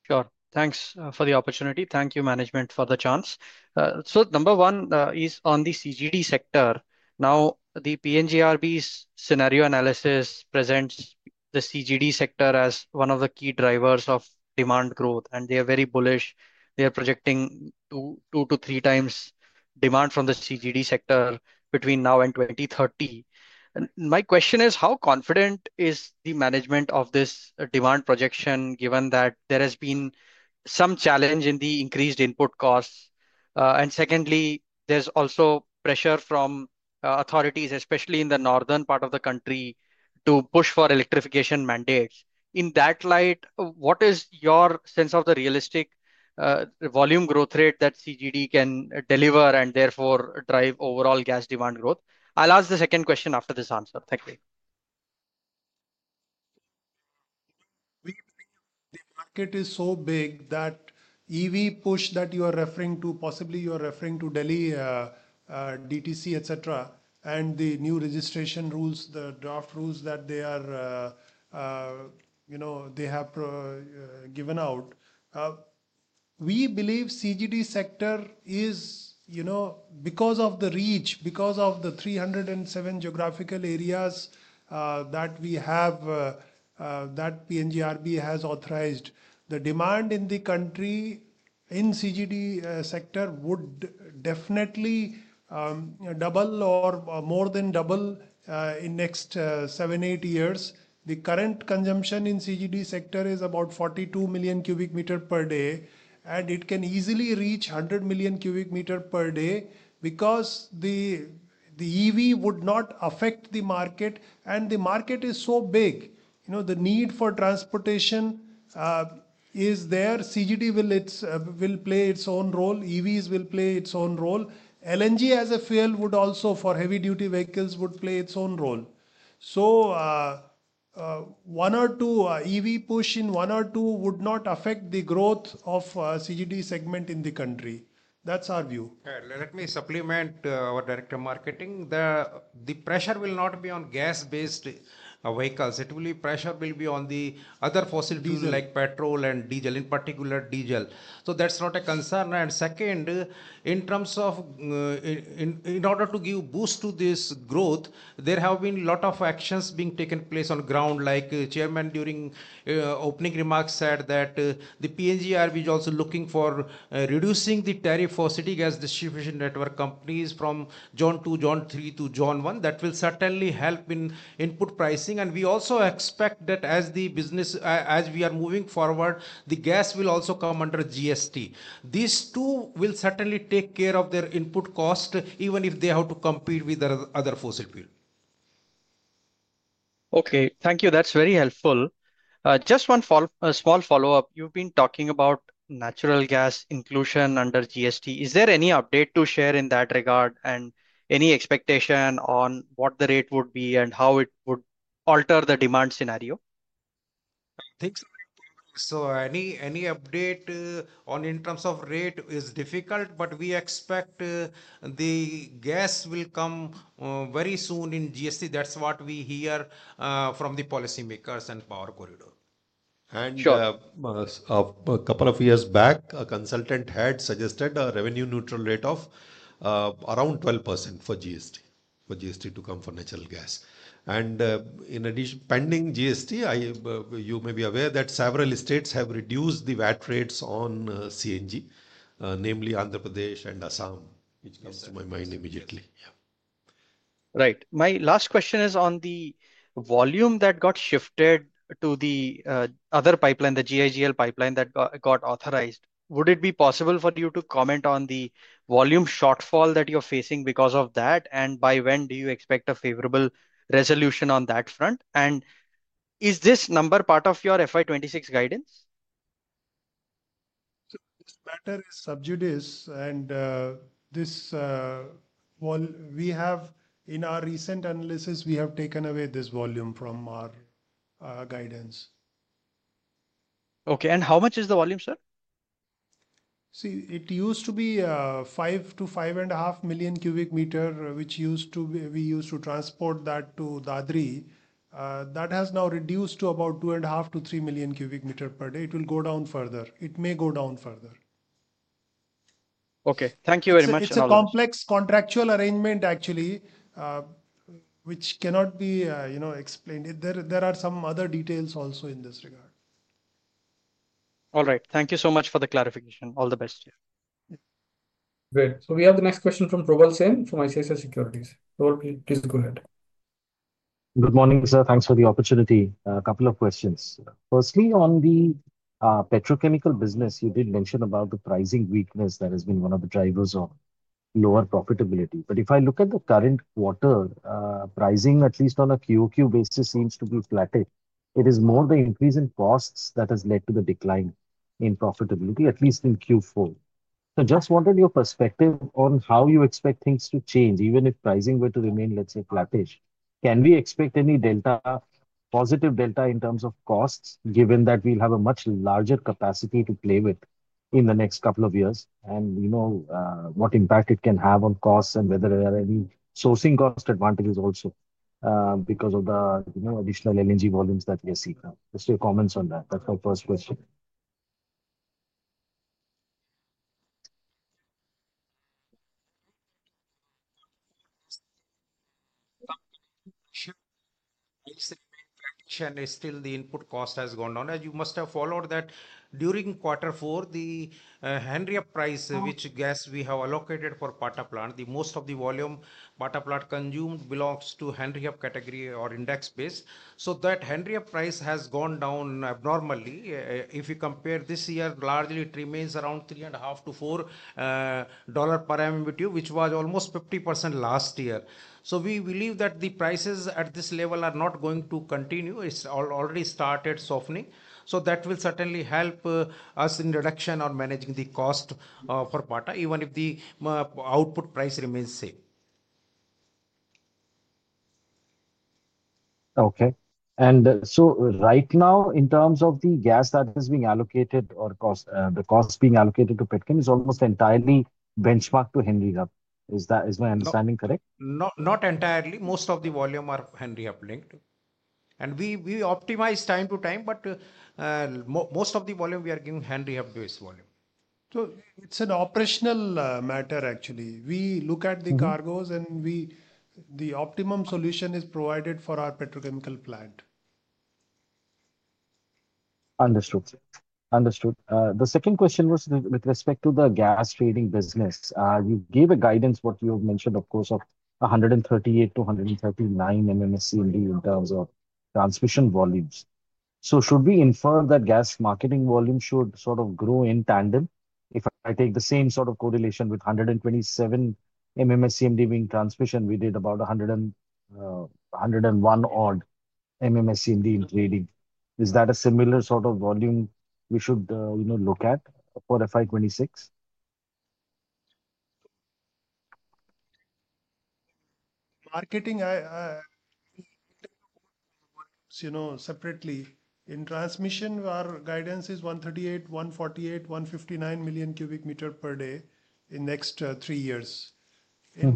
Sure. Thanks for the opportunity. Thank you, management, for the chance. Number one is on the CGD sector. Now, the PNGRB's scenario analysis presents the CGD sector as one of the key drivers of demand growth. They are very bullish. They are projecting two to three times demand from the CGD sector between now and 2030. My question is, how confident is the management of this demand projection, given that there has been some challenge in the increased input costs? Secondly, there is also pressure from authorities, especially in the northern part of the country, to push for electrification mandates. In that light, what is your sense of the realistic volume growth rate that CGD can deliver and therefore drive overall gas demand growth? I will ask the second question after this answer. Thank you. The market is so big that EV push that you are referring to, possibly you are referring to Delhi, DTC, etc., and the new registration rules, the draft rules that they have given out. We believe CGD sector is, because of the reach, because of the 307 geographical areas that we have that PNGRB has authorized, the demand in the country in CGD sector would definitely double or more than double in the next seven, eight years. The current consumption in CGD sector is about 42 million cubic meters per day. It can easily reach 100 million cubic meters per day because the EV would not affect the market. The market is so big. The need for transportation is there. CGD will play its own role. EVs will play its own role. LNG as a fuel would also, for heavy-duty vehicles, play its own role. One or two EV push in one or two would not affect the growth of the CGD segment in the country. That's our view. Let me supplement our Director of Marketing. The pressure will not be on gas-based vehicles. The pressure will be on the other fossil fuels like petrol and diesel, in particular, diesel. That is not a concern. Second, in order to give boost to this growth, there have been a lot of actions being taken place on the ground. Like Chairman, during opening remarks, said that the PNGRB is also looking for reducing the tariff for city gas distribution network companies from zone 2, zone 3, to zone 1. That will certainly help in input pricing. We also expect that as the business, as we are moving forward, the gas will also come under GST. These two will certainly take care of their input cost, even if they have to compete with other fossil fuels. Okay. Thank you. That is very helpful. Just one small follow-up. You've been talking about natural gas inclusion under GST. Is there any update to share in that regard and any expectation on what the rate would be and how it would alter the demand scenario? Thanks. Any update in terms of rate is difficult, but we expect the gas will come very soon in GST. That is what we hear from the policymakers and power corridor. A couple of years back, a consultant had suggested a revenue-neutral rate of around 12% for GST to come for natural gas. In addition, pending GST, you may be aware that several states have reduced the VAT rates on CNG, namely Andhra Pradesh and Assam, which comes to my mind immediately. Right. My last question is on the volume that got shifted to the other pipeline, the GIGL pipeline that got authorized. Would it be possible for you to comment on the volume shortfall that you're facing because of that? By when do you expect a favorable resolution on that front? Is this number part of your FI26 guidance? This matter is sub judice. In our recent analysis, we have taken away this volume from our guidance. Okay. How much is the volume, sir? See, it used to be 5-5.5 million cubic meters, which we used to transport to Dadri. That has now reduced to about 2.5-3 million cubic meters per day. It may go down further. Okay. Thank you very much. It's a complex contractual arrangement, actually, which cannot be explained. There are some other details also in this regard. All right. Thank you so much for the clarification. All the best. Great. We have the next question from Prabhalsin from ICSI Securities. Please go ahead. Good morning, sir. Thanks for the opportunity. A couple of questions. Firstly, on the petrochemical business, you did mention about the pricing weakness that has been one of the drivers of lower profitability. If I look at the current quarter, pricing, at least on a QOQ basis, seems to be flat. It is more the increase in costs that has led to the decline in profitability, at least in Q4. I just wanted your perspective on how you expect things to change. Even if pricing were to remain, let's say, flat, can we expect any positive delta in terms of costs, given that we will have a much larger capacity to play with in the next couple of years? What impact it can have on costs and whether there are any sourcing cost advantages also because of the additional LNG volumes that we are seeing now? Just your comments on that. That's my first question. Sure. ICSI Practition is still the input cost has gone down. As you must have followed that, during quarter four, the Henry Hub price, which gas we have allocated for Pata plant, most of the volume Pata plant consumed belongs to Henry Hub category or index base. So that Henry Hub price has gone down abnormally. If you compare this year, largely it remains around $3.5-$4 per MMBtu, which was almost 50% last year. We believe that the prices at this level are not going to continue. It's already started softening. That will certainly help us in reduction or managing the cost for Pata, even if the output price remains the same. Okay. Right now, in terms of the gas that is being allocated or the cost being allocated to petrochem, it is almost entirely benchmarked to Henry Hub. Is my understanding correct? Not entirely. Most of the volume is Henry Hub linked. We optimize from time to time, but most of the volume we are giving is Henry Hub-based volume. It is an operational matter, actually. We look at the cargos, and the optimum solution is provided for our petrochemical plant. Understood. Understood. The second question was with respect to the gas trading business. You gave a guidance, what you have mentioned, of course, of 138-139 MMSCMD in terms of transmission volumes. Should we infer that gas marketing volume should sort of grow in tandem? If I take the same sort of correlation with 127 MMSCMD being transmission, we did about 101 odd MMSCMD in trading. Is that a similar sort of volume we should look at for FI2026? Marketing, separately. In transmission, our guidance is 138, 148, 159 million cubic meters per day in the next three years. In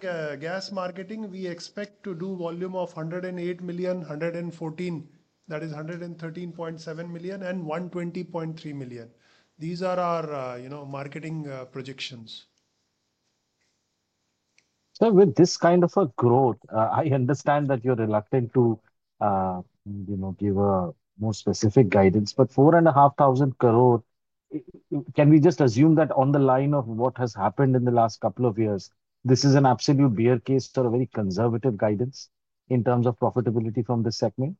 gas marketing, we expect to do volume of 108 million, 114, that is 113.7 million, and 120.3 million. These are our marketing projections. Sir, with this kind of a growth, I understand that you're reluctant to give a more specific guidance. But 4,500 crore, can we just assume that on the line of what has happened in the last couple of years, this is an absolute bear case for a very conservative guidance in terms of profitability from this segment?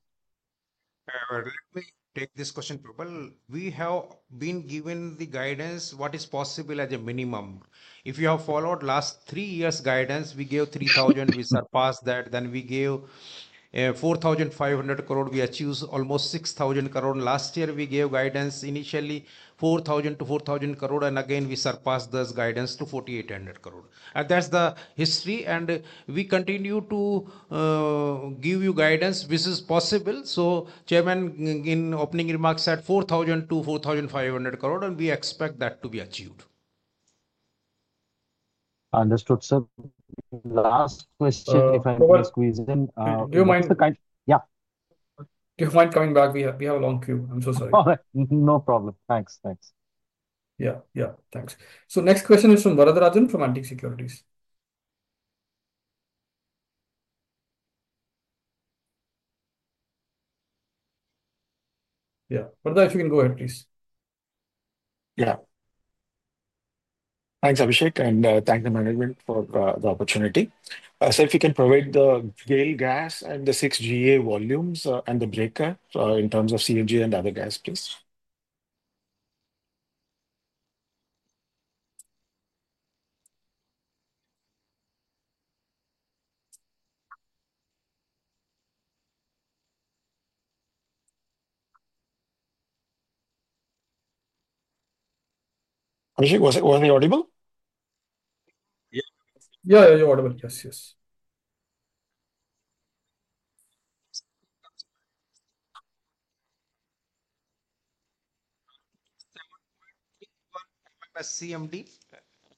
Let me take this question, Prabhal. We have been given the guidance, what is possible at a minimum. If you have followed last three years' guidance, we gave 3,000, we surpassed that. Then we gave 4,500 crore, we achieved almost 6,000 crore. Last year, we gave guidance initially 4,000 crore- 4,000 crore. And again, we surpassed this guidance to 4,800 crore. That is the history. We continue to give you guidance, which is possible. Chairman, in opening remarks, said 4,000 crore-4,500 crore, and we expect that to be achieved. Understood, sir. Last question, if I may squeeze in. Do you mind coming back? We have a long queue. I'm so sorry. No problem. Thanks. Thanks. Yeah. Thanks. Next question is from Varatharajan from Antique Securities. Yeah. Varatharajan, if you can go ahead, please. Yeah. Thanks, Abhishek. Thanks to the management for the opportunity. If you can provide the GAIL Gas and the six GA volumes and the breakup in terms of CNG and other gas, please. Abhishek, was it audible? Yeah. Yeah. You're audible. Yes. Yes. 7.31 MMSCMD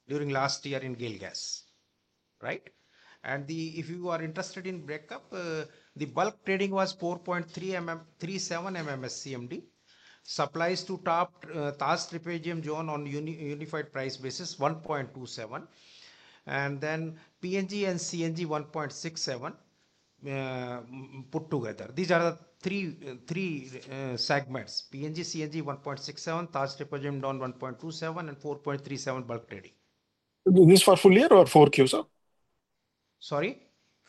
during last year in GAIL Gas, right? And if you are interested in breakup, the bulk trading was 4.37 MMSCMD, supplies to top TAS Tripajam zone on unified price basis 1.27. And then PNG and CNG 1.67 put together. These are the three segments: PNG, CNG 1.67, TAS Tripajam down 1.27, and 4.37 bulk trading. This was full year or Q4, sir? Sorry?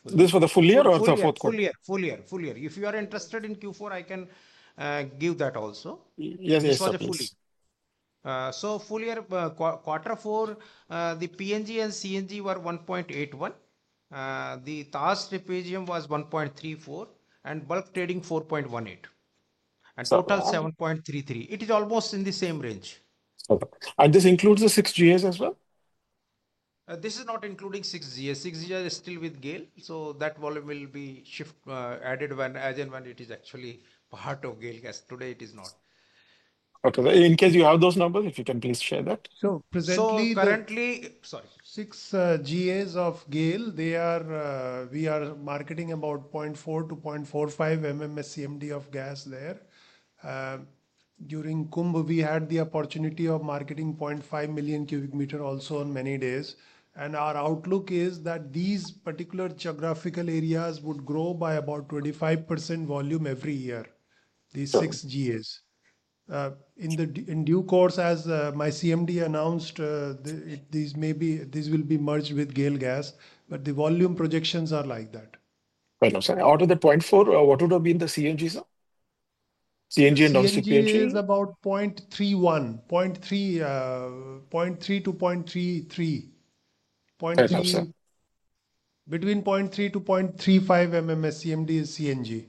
This was the full year or the fourth quarter? Full year. Full year. Full year. If you are interested in Q4, I can give that also. Yes. This was a full year. So full year, quarter four, the PNG and CNG were 1.81. The TAS Tripajam was 1.34 and bulk trading 4.18. Total 7.33. It is almost in the same range. Okay. This includes the 6 GAs as well? This is not including 6 GAs. 6 GA is still with GAIL. That volume will be added as and when it is actually part of GAIL Gas. Today, it is not. Okay. In case you have those numbers, if you can please share that. Currently, sorry, 6 GAs of GAIL, we are marketing about 0.4-0.45 MMSCMD of gas there. During Kumbh, we had the opportunity of marketing 0.5 million cubic meters also on many days. Our outlook is that these particular geographical areas would grow by about 25% volume every year, these 6 GAs. In due course, as my CMD announced, these will be merged with GAIL Gas. The volume projections are like that. Right. I'm sorry. Out of the 0.4, what would have been the CNG, sir? CNG and non-CNG? CNG is about 0.31, 0.3 to 0.33. 0.3. Between 0.3-0.35 MMSCMD is CNG.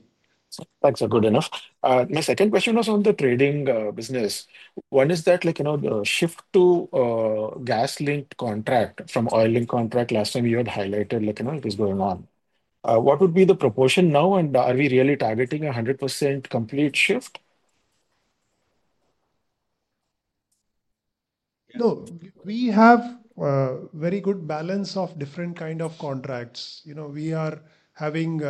That is good enough. My second question was on the trading business. One is that the shift to gas-linked contract from oil-linked contract last time you had highlighted is going on. What would be the proportion now? Are we really targeting a 100% complete shift? No, we have a very good balance of different kinds of contracts. We are having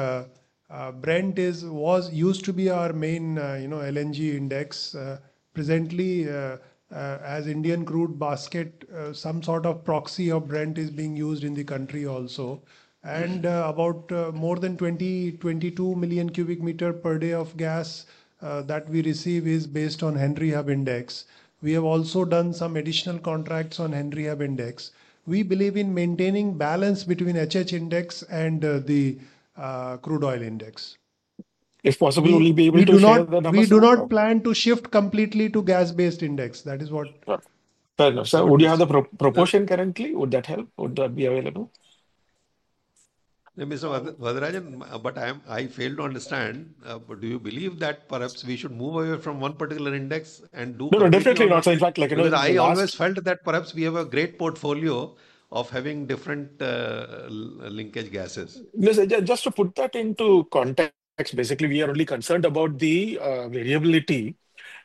Brent, which used to be our main LNG index. Presently, as Indian crude basket, some sort of proxy of Brent is being used in the country also. About more than 20-22 million cubic meters per day of gas that we receive is based on Henry Hub index. We have also done some additional contracts on Henry Hub index. We believe in maintaining balance between HH index and the crude oil index. If possible, we'll be able to share that number. We do not plan to shift completely to gas-based index. That is what. Fair enough. Sir, would you have the proportion currently? Would that help? Would that be available? Maybe so, Varatharajan. But I failed to understand. Do you believe that perhaps we should move away from one particular index and do? No, no, definitely not. In fact, I always felt that perhaps we have a great portfolio of having different linkage gases. Just to put that into context, basically, we are only concerned about the variability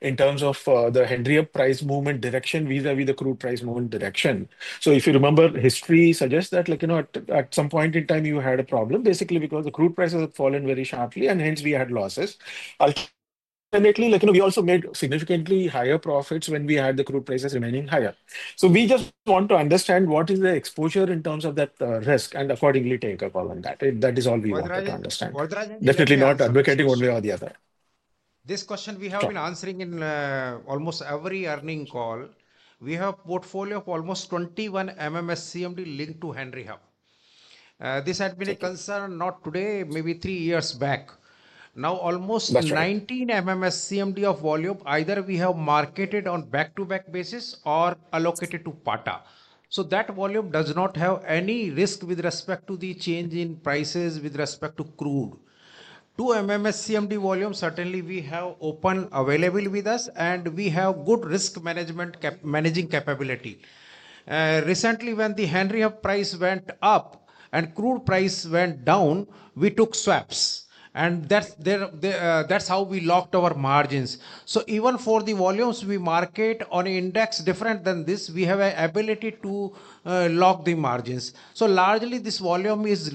in terms of the HH price movement direction vis-à-vis the crude price movement direction. If you remember, history suggests that at some point in time, you had a problem, basically, because the crude prices have fallen very sharply, and hence we had losses. Alternately, we also made significantly higher profits when we had the crude prices remaining higher. We just want to understand what is the exposure in terms of that risk and accordingly take a call on that. That is all we wanted to understand. Definitely not advocating one way or the other. This question we have been answering in almost every earning call. We have a portfolio of almost 21 MMSCMD linked to Henry Hub. This had been a concern not today, maybe three years back. Now, almost 19 MMSCMD of volume, either we have marketed on back-to-back basis or allocated to Pata. That volume does not have any risk with respect to the change in prices with respect to crude. 2 MMSCMD volume, certainly we have open available with us, and we have good risk managing capability. Recently, when the Henry Hub price went up and crude price went down, we took swaps. That's how we locked our margins. Even for the volumes we market on index different than this, we have an ability to lock the margins. Largely, this volume is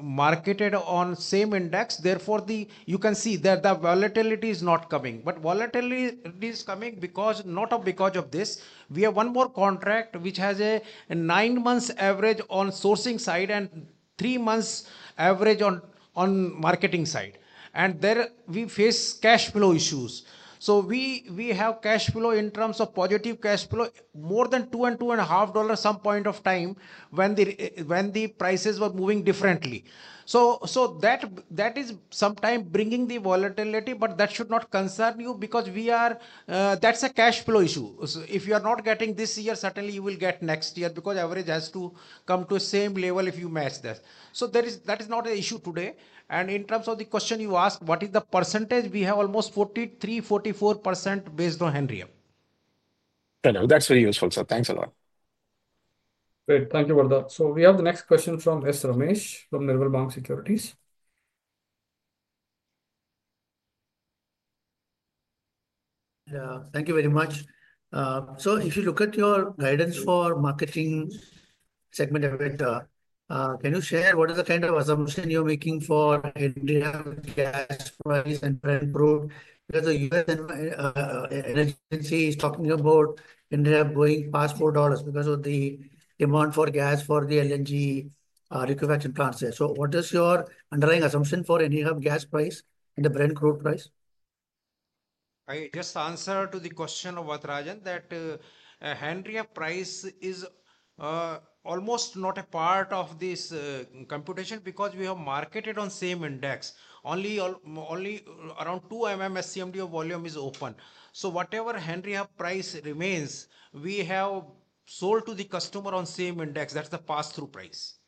marketed on the same index. Therefore, you can see that the volatility is not coming. Volatility is coming not because of this. We have one more contract, which has a nine-month average on sourcing side and three-month average on marketing side. There we face cash flow issues. We have cash flow in terms of positive cash flow, more than $2-$2.5 at some point of time when the prices were moving differently. That is sometimes bringing the volatility. That should not concern you because that is a cash flow issue. If you are not getting this year, certainly you will get next year because average has to come to the same level if you match this. That is not an issue today. In terms of the question you asked, what is the percentage? We have almost 43%-44% based on handicap. That is very useful, sir. Thanks a lot. Great. Thank you, Varatharajan. We have the next question from S. Ramesh from Nirmal Bang Securities. Thank you very much. If you look at your guidance for marketing segment, can you share what is the kind of assumption you're making for Henry Hub gas price and Brent crude? Because the U.S. energy agency is talking about Henry Hub going past $4 because of the demand for gas for the LNG liquefaction plants there. What is your underlying assumption for Henry Hub gas price and the Brent crude price? I just answered to the question of Varatharajan that Henry Hub price is almost not a part of this computation because we have marketed on the same index. Only around 2 MMSCMD of volume is open. Whatever Henry Hub price remains, we have sold to the customer on the same index. That's the pass-through price.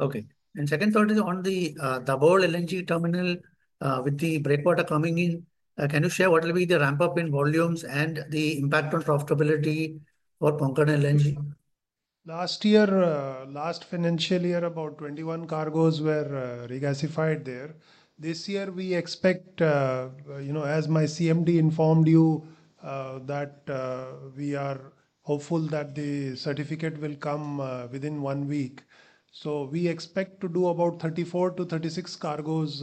Okay. Second thought is on the Dabhol LNG terminal with the breakwater coming in. Can you share what will be the ramp-up in volumes and the impact on profitability for Concord LNG? Last year, last financial year, about 21 cargoes were regasified there. This year, we expect, as my CMD informed you, that we are hopeful that the certificate will come within one week. We expect to do about 34-36 cargoes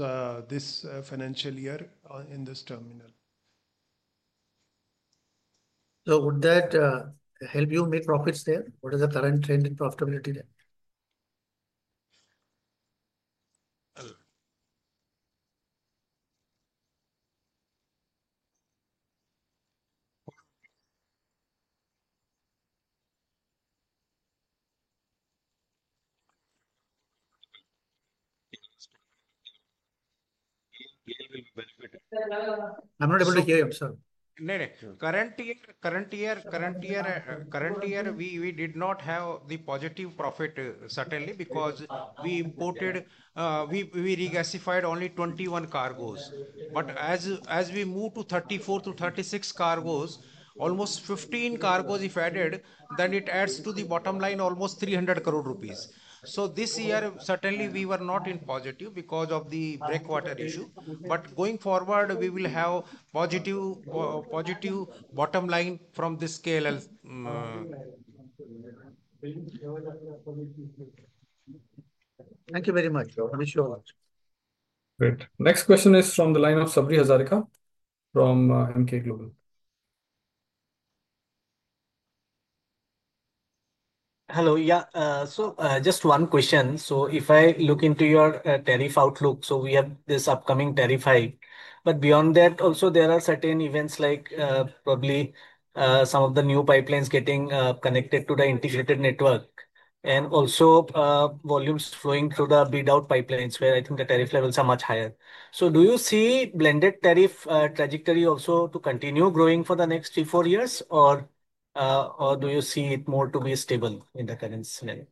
this financial year in this terminal. Would that help you make profits there? What is the current trend in profitability there? I'm not able to hear you, sir. No, no. Current year, current year, we did not have the positive profit, certainly, because we regasified only 21 cargoes. As we move to 34-36 cargoes, almost 15 cargoes if added, then it adds to the bottom line almost 300 crore rupees. This year, certainly, we were not in positive because of the breakwater issue. But going forward, we will have positive bottom line from this scale. Thank you very much. Great. Next question is from the line of Sabri Hazarika from Emkay Global. Hello. Yeah. So just one question. If I look into your tariff outlook, we have this upcoming tariff hike. Beyond that, also, there are certain events like probably some of the new pipelines getting connected to the integrated network and also volumes flowing through the bid-out pipelines where I think the tariff levels are much higher. Do you see blended tariff trajectory also to continue growing for the next three or four years, or do you see it more to be stable in the current scenario?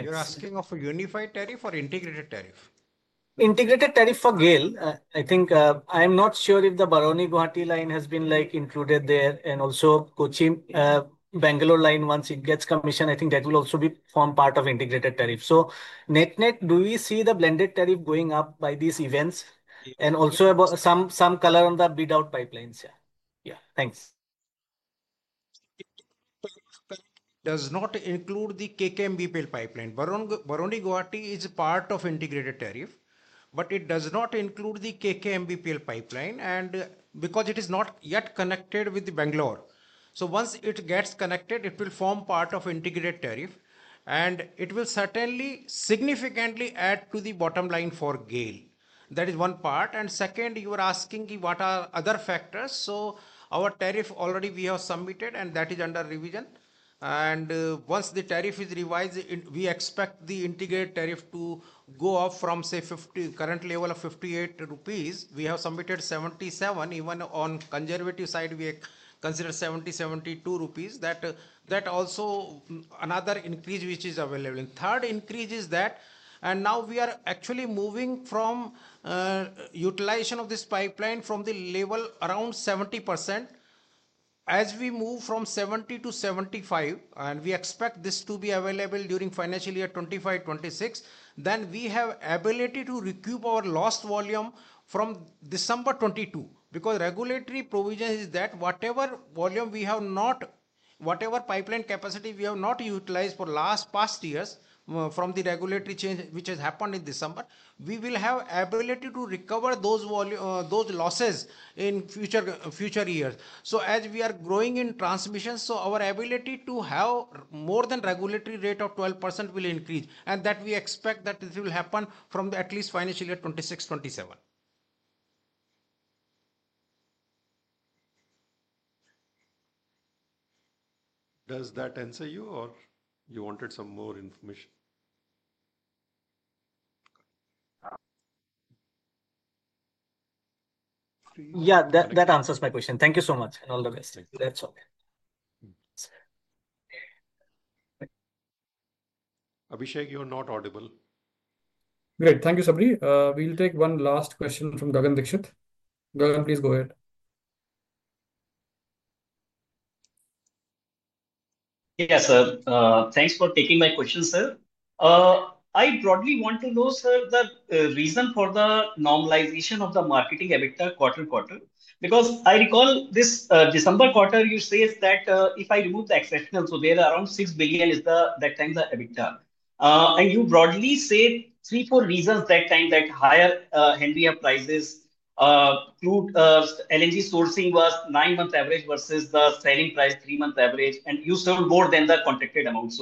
You're asking for unified tariff or integrated tariff? Integrated tariff for GAIL. I think I'm not sure if the Baruni-Guwahati line has been included there and also Bangalore line once it gets commissioned. I think that will also form part of integrated tariff. Net net, do we see the blended tariff going up by these events and also some color on the bid-out pipelines? Yeah. Yeah. Thanks. It does not include the KKMBPL pipeline. Baruni-Guwahati is part of integrated tariff, but it does not include the KKMBPL pipeline because it is not yet connected with Bangalore. Once it gets connected, it will form part of integrated tariff, and it will certainly significantly add to the bottom line for GAIL. That is one part. Second, you were asking what are other factors. Our tariff already we have submitted, and that is under revision. Once the tariff is revised, we expect the integrated tariff to go up from, say, current level of 58 rupees. We have submitted 77. Even on the conservative side, we consider 70-72 rupees. That is also another increase which is available. The third increase is that we are actually moving from utilization of this pipeline from the level around 70%. As we move from 70% to 75%, and we expect this to be available during financial year 2025-2026, then we have the ability to recoup our lost volume from December 2022 because regulatory provision is that whatever volume we have not, whatever pipeline capacity we have not utilized for the past years from the regulatory change which has happened in December, we will have the ability to recover those losses in future years. As we are growing in transmissions, our ability to have more than a regulatory rate of 12% will increase. That, we expect, will happen from at least financial year 2026-2027. Does that answer you, or you wanted some more information? Yeah, that answers my question. Thank you so much. All the best. That's all. Abhishek, you're not audible. Great. Thank you, Sabri. We'll take one last question from Gagan Dixit. Gagan, please go ahead. Yes, sir. Thanks for taking my question, sir. I broadly want to know, sir, the reason for the normalization of the marketing EBITDA quarter-quarter because I recall this December quarter, you said that if I remove the exceptional, there are around 6 billion at that time the EBITDA. You broadly said three, four reasons that time that higher Henry Hub prices, LNG sourcing was nine-month average versus the selling price three-month average, and you sold more than the contracted amount.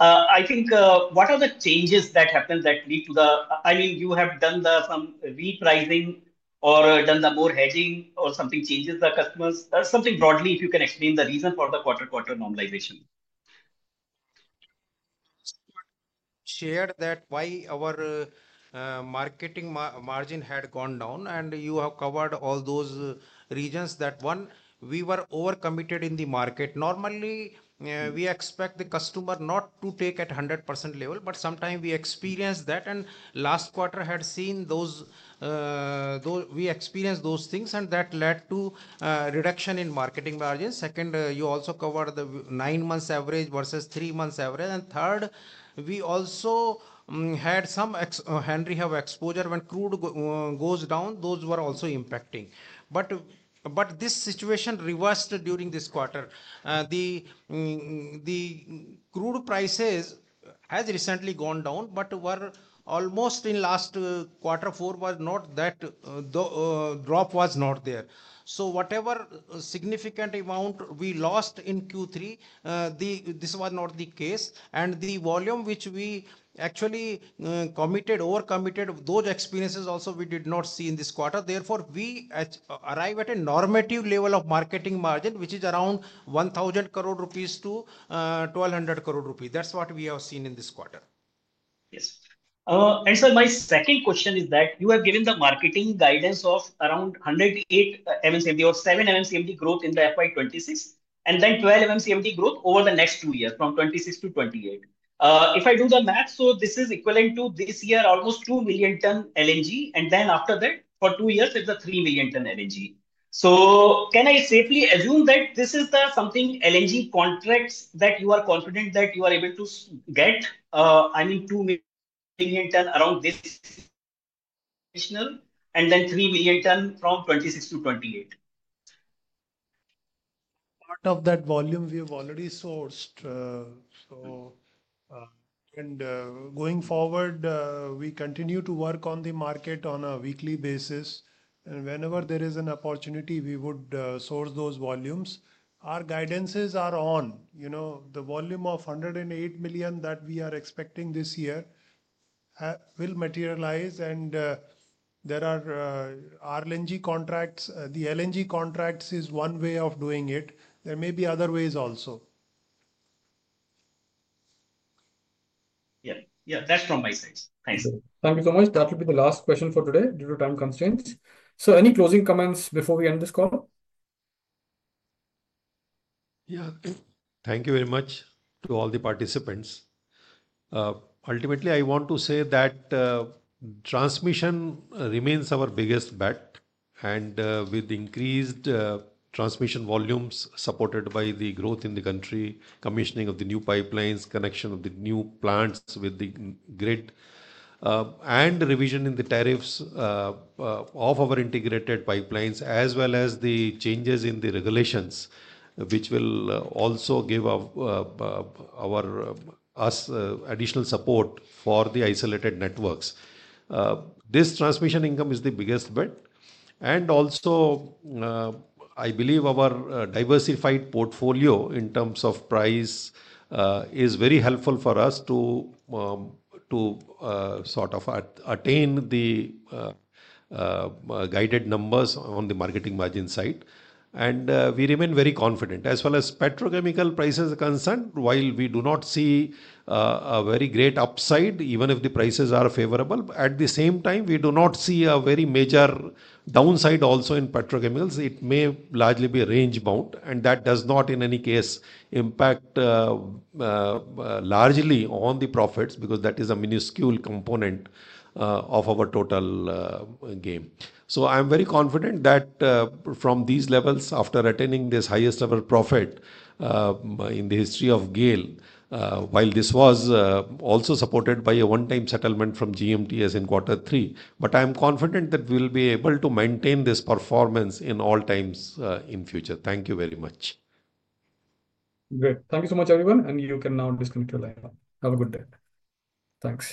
I think what are the changes that happened that lead to the, I mean, you have done some repricing or done more hedging or something changes the customers? Something broadly, if you can explain the reason for the quarter-quarter normalization. Shared that why our marketing margin had gone down, and you have covered all those reasons that one, we were overcommitted in the market. Normally, we expect the customer not to take at 100% level, but sometime we experienced that, and last quarter had seen those, we experienced those things, and that led to a reduction in marketing margin. Second, you also covered the nine-month average versus three-month average. Third, we also had some handicap exposure when crude goes down. Those were also impacting. This situation reversed during this quarter. The crude prices had recently gone down, but almost in last quarter four the drop was not there. Whatever significant amount we lost in Q3, this was not the case. The volume which we actually committed, overcommitted, those experiences also we did not see in this quarter. Therefore, we arrived at a normative level of marketing margin, which is around 1,000 crore-1,200 crore rupees. That is what we have seen in this quarter. Yes. Sir, my second question is that you have given the marketing guidance of around 108 MMSCMD or 7 MMSCMD growth in the FY 2026, and then 12 MMSCMD growth over the next two years from 2026 to 2028. If I do the math, this is equivalent to this year, almost 2 million ton LNG, and then after that, for two years, it is 3 million ton LNG. Can I safely assume that this is the LNG contracts that you are confident that you are able to get? I mean, 2 million ton around this additional, and then 3 million ton from 2026 to 2028. Part of that volume we have already sourced. Going forward, we continue to work on the market on a weekly basis. Whenever there is an opportunity, we would source those volumes. Our guidances are on. The volume of 108 million that we are expecting this year will materialize. There are RLNG contracts. The LNG contracts is one way of doing it. There may be other ways also. Yeah. Yeah, that is from my side. Thanks. Thank you so much. That will be the last question for today due to time constraints. Any closing comments before we end this call? Yeah. Thank you very much to all the participants. Ultimately, I want to say that transmission remains our biggest bet. With increased transmission volumes supported by the growth in the country, commissioning of the new pipelines, connection of the new plants with the grid, and revision in the tariffs of our integrated pipelines, as well as the changes in the regulations, which will also give us additional support for the isolated networks, this transmission income is the biggest bet. I believe our diversified portfolio in terms of price is very helpful for us to sort of attain the guided numbers on the marketing margin side. We remain very confident. As well as petrochemical prices are concerned, while we do not see a very great upside, even if the prices are favorable. At the same time, we do not see a very major downside also in petrochemicals. It may largely be range bound. That does not in any case impact largely on the profits because that is a minuscule component of our total game. I am very confident that from these levels, after attaining this highest level profit in the history of GAIL, while this was also supported by a one-time settlement from GMTS in quarter three, I am confident that we will be able to maintain this performance in all times in future. Thank you very much. Great. Thank you so much, everyone. You can now disconnect your line. Have a good day. Thanks.